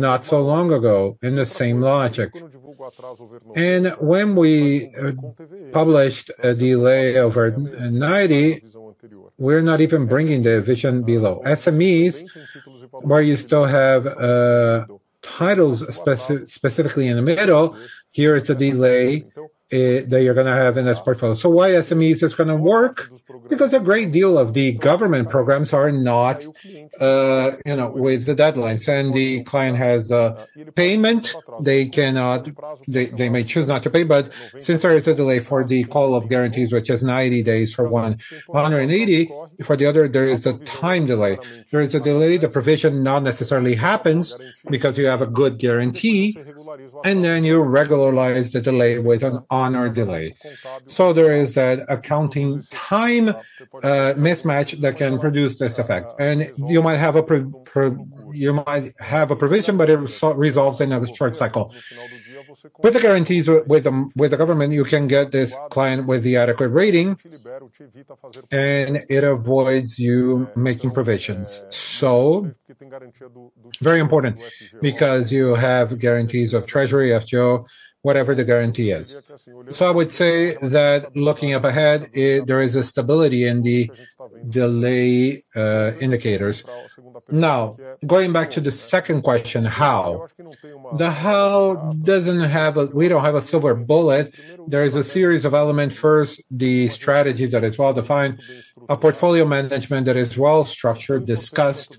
not so long ago in the same logic. When we published a delay over 90, we're not even bringing the vision below. SMEs where you still have titles specifically in the middle, here it's a delay that you're gonna have in this portfolio. Why SMEs is gonna work? A great deal of the government programs are not, you know, with the deadlines, and the client has a payment, they may choose not to pay, but since there is a delay for the call of guarantees, which is 90 days for one, 180 for the other, there is a time delay. There is a delay. The provision not necessarily happens because you have a good guarantee, and then you regularize the delay with an honor delay. There is that accounting time mismatch that can produce this effect. You might have a provision, but it resolves in a short cycle. With the guarantees with the government, you can get this client with the adequate rating, and it avoids you making provisions. Very important because you have guarantees of Treasury, FGO, whatever the guarantee is. I would say that looking up ahead, there is a stability in the delay indicators. Now, going back to the second question, how. We don't have a silver bullet. There is a series of element. First, the strategy that is well-defined, a portfolio management that is well-structured, discussed.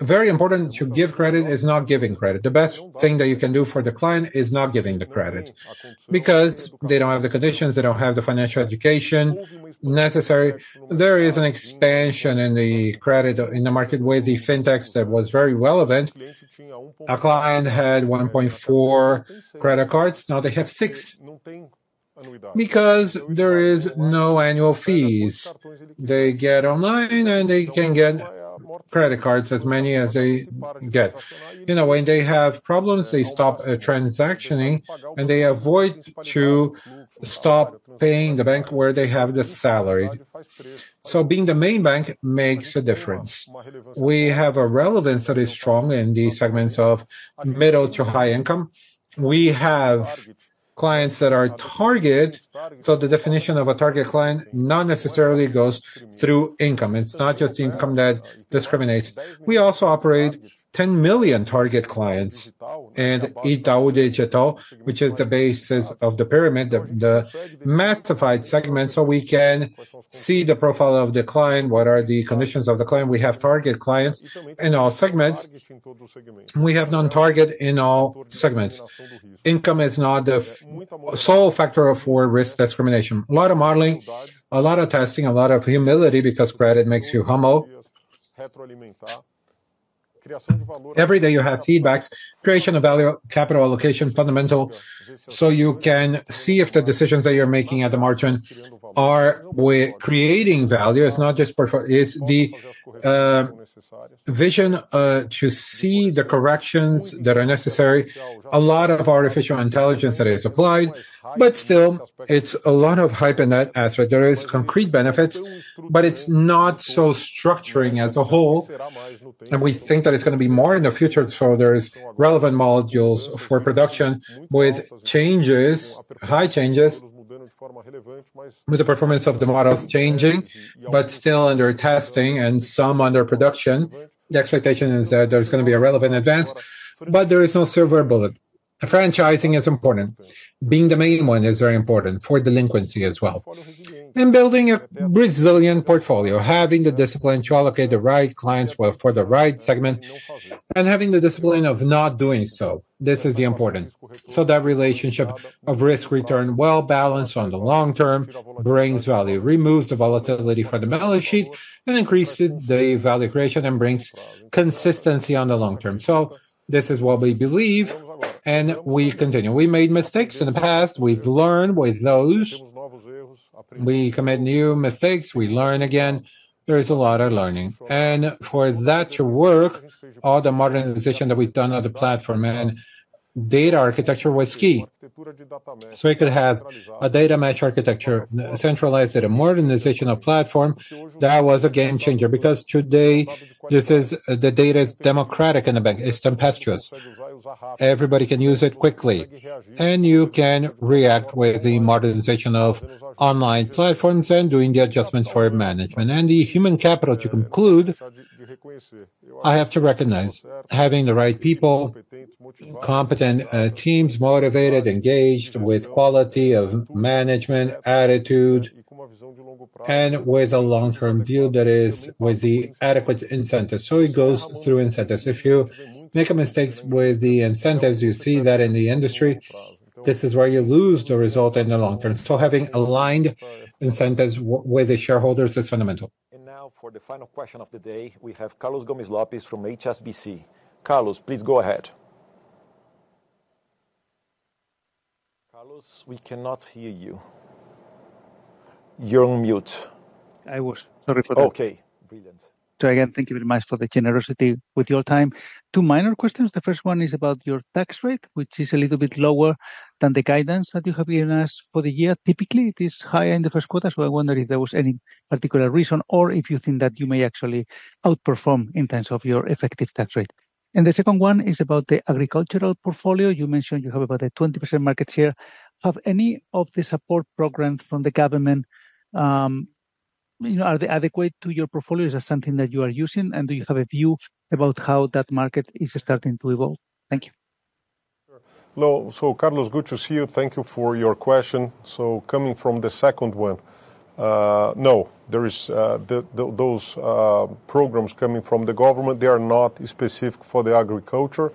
Very important to give credit is not giving credit. The best thing that you can do for the client is not giving the credit because they don't have the conditions, they don't have the financial education necessary. There is an expansion in the credit, in the market with the Fintechs that was very relevant. A client had 1.4 credit cards, now they have six because there is no annual fees. They get online and they can get credit cards as many as they get. You know, when they have problems, they stop transactioning and they avoid to stop paying the bank where they have the salary. Being the main bank makes a difference. We have a relevance that is strong in the segments of middle to high income. We have clients that are target. The definition of a target client not necessarily goes through income. It's not just income that discriminates. We also operate 10 million target clients in Itaú Digital, which is the basis of the pyramid, the massified segment. We can see the profile of the client, what are the conditions of the client. We have target clients in all segments. We have non-target in all segments. Income is not the sole factor for risk discrimination. A lot of modeling, a lot of testing, a lot of humility because credit makes you humble. Every day you have feedbacks. Creation of value, capital allocation, fundamental, so you can see if the decisions that you're making at the margin are creating value. It's not just. It's the vision to see the corrections that are necessary. A lot of artificial intelligence that is applied, but still it's a lot of hype in that aspect. There are concrete benefits, but it's not so structuring as a whole. We think that it's gonna be more in the future. There is relevant modules for production with changes, high changes, with the performance of the models changing but still under testing and some under production. The expectation is that there's gonna be a relevant advance. There is no silver bullet. Franchising is important. Being the main one is very important for delinquency as well. Building a resilient portfolio, having the discipline to allocate the right clients for the right segment, and having the discipline of not doing so. This is the important. That relationship of risk-return well-balanced on the long term brings value, removes the volatility from the balance sheet, and increases the value creation and brings consistency on the long term. This is what we believe, and we continue. We made mistakes in the past. We've learned with those. We commit new mistakes. We learn again. There is a lot of learning. For that to work, all the modernization that we've done on the platform and data architecture was key. We could have a data mesh architecture, centralized data, modernization of platform. That was a game changer because today the data is democratic in a bank. It's tempestuous. Everybody can use it quickly. You can react with the modernization of online platforms and doing the adjustments for management. The human capital, to conclude, I have to recognize having the right people, competent teams, motivated, engaged with quality of management, attitude, and with a long-term view that is with the adequate incentive. It goes through incentives. If you make mistakes with the incentives, you see that in the industry, this is where you lose the result in the long term. Having aligned incentives with the shareholders is fundamental. Now for the final question of the day, we have Carlos Gomez-Lopez from HSBC. Carlos, please go ahead. Carlos, we cannot hear you. You're on mute. I was. Sorry for that. Okay. Brilliant. Again, thank you very much for the generosity with your time. Two minor questions. The first one is about your tax rate, which is a little bit lower than the guidance that you have given us for the year. Typically, it is higher in the first quarter, so I wonder if there was any particular reason or if you think that you may actually outperform in terms of your effective tax rate. The second one is about the agricultural portfolio. You mentioned you have about a 20% market share. Have any of the support programs from the government, you know, are they adequate to your portfolio? Is that something that you are using, and do you have a view about how that market is starting to evolve? Thank you. Sure. Well, Carlos, good to see you. Thank you for your question. Coming from the second one, no, there is those programs coming from the government, they are not specific for the agriculture.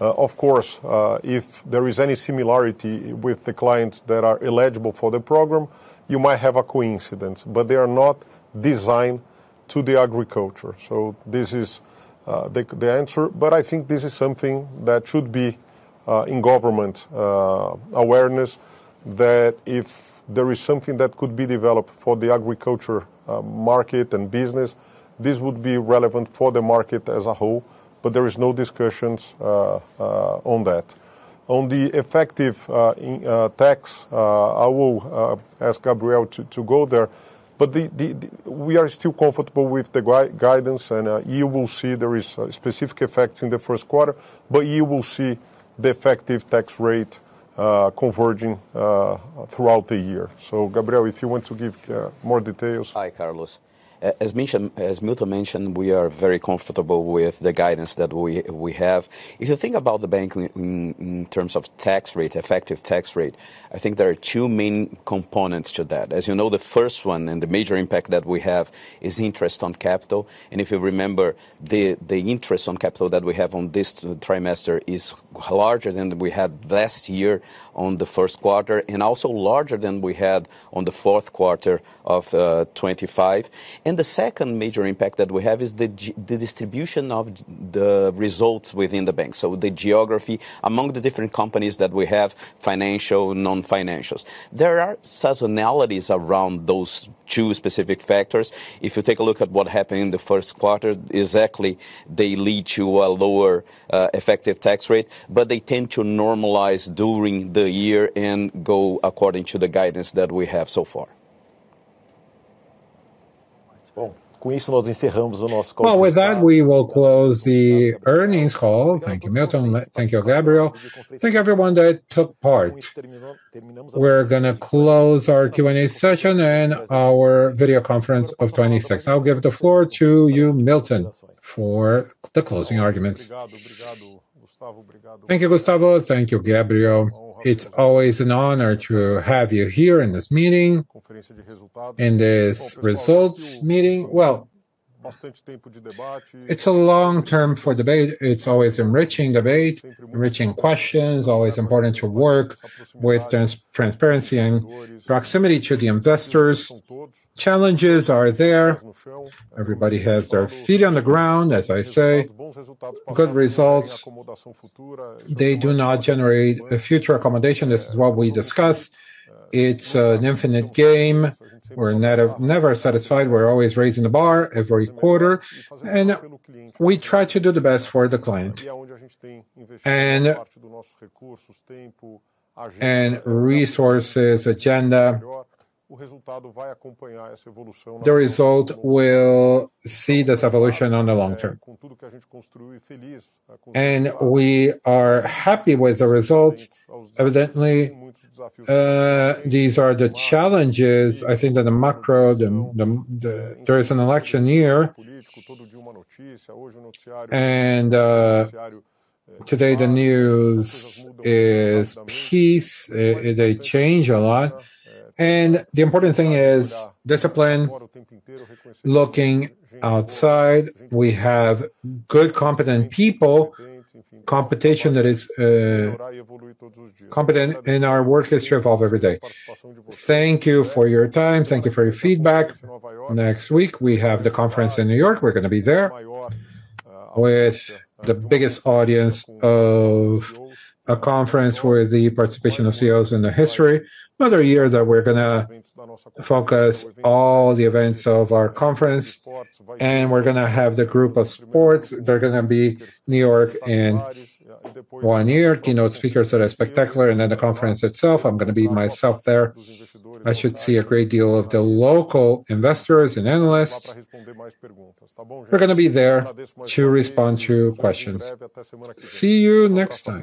Of course, if there is any similarity with the clients that are eligible for the program, you might have a coincidence, but they are not designed to the agriculture. This is the answer. I think this is something that should be in government awareness, that if there is something that could be developed for the agriculture market and business, this would be relevant for the market as a whole, but there is no discussions on that. On the effective in tax, I will ask Gabriel to go there, but we are still comfortable with the guidance, and you will see there is specific effects in the first quarter, but you will see the effective tax rate converging throughout the year. Gabriel, if you want to give more details. Hi, Carlos. As mentioned, as Milton mentioned, we are very comfortable with the guidance that we have. If you think about the bank in terms of tax rate, effective tax rate, I think there are two main components to that. As you know, the first one and the major impact that we have is interest on capital. If you remember, the interest on capital that we have on this trimester is larger than we had last year on the first quarter, and also larger than we had on the fourth quarter of 2025. The second major impact that we have is the distribution of the results within the bank. The geography among the different companies that we have, financial, non-financials. There are seasonalities around those two specific factors. If you take a look at what happened in the first quarter, exactly, they lead to a lower effective tax rate, but they tend to normalize during the year and go according to the guidance that we have so far. Well, with that, we will close the earnings call. Thank you, Milton. Thank you, Gabriel. Thank everyone that took part. We're gonna close our Q&A session and our video conference of 26. I'll give the floor to you, Milton, for the closing arguments. Thank you, Gustavo. Thank you, Gabriel. It's always an honor to have you here in this meeting, in this results meeting. Well, it's a long term for debate. It's always enriching debate, enriching questions, always important to work with transparency and proximity to the investors. Challenges are there. Everybody has their feet on the ground, as I say. Good results, they do not generate a future accommodation. This is what we discussed. It's an infinite game. We're never satisfied. We're always raising the bar every quarter, and we try to do the best for the client. Resources, agenda, the result will see this evolution on the long term. We are happy with the results. Evidently, these are the challenges. I think that the macro, there is an election year, and today the news is peace. They change a lot. The important thing is discipline, looking outside. We have good, competent people, competition that is competent, and our work is to evolve every day. Thank you for your time. Thank you for your feedback. Next week, we have the conference in New York. We're gonna be there with the biggest audience of a conference for the participation of CEOs in the history. Another year that we're gonna focus all the events of our conference, and we're gonna have the group of sports. They're gonna be New York in one year. Keynote speakers that are spectacular and then the conference itself. I'm gonna be myself there. I should see a great deal of the local investors and analysts. We're gonna be there to respond to questions. See you next time.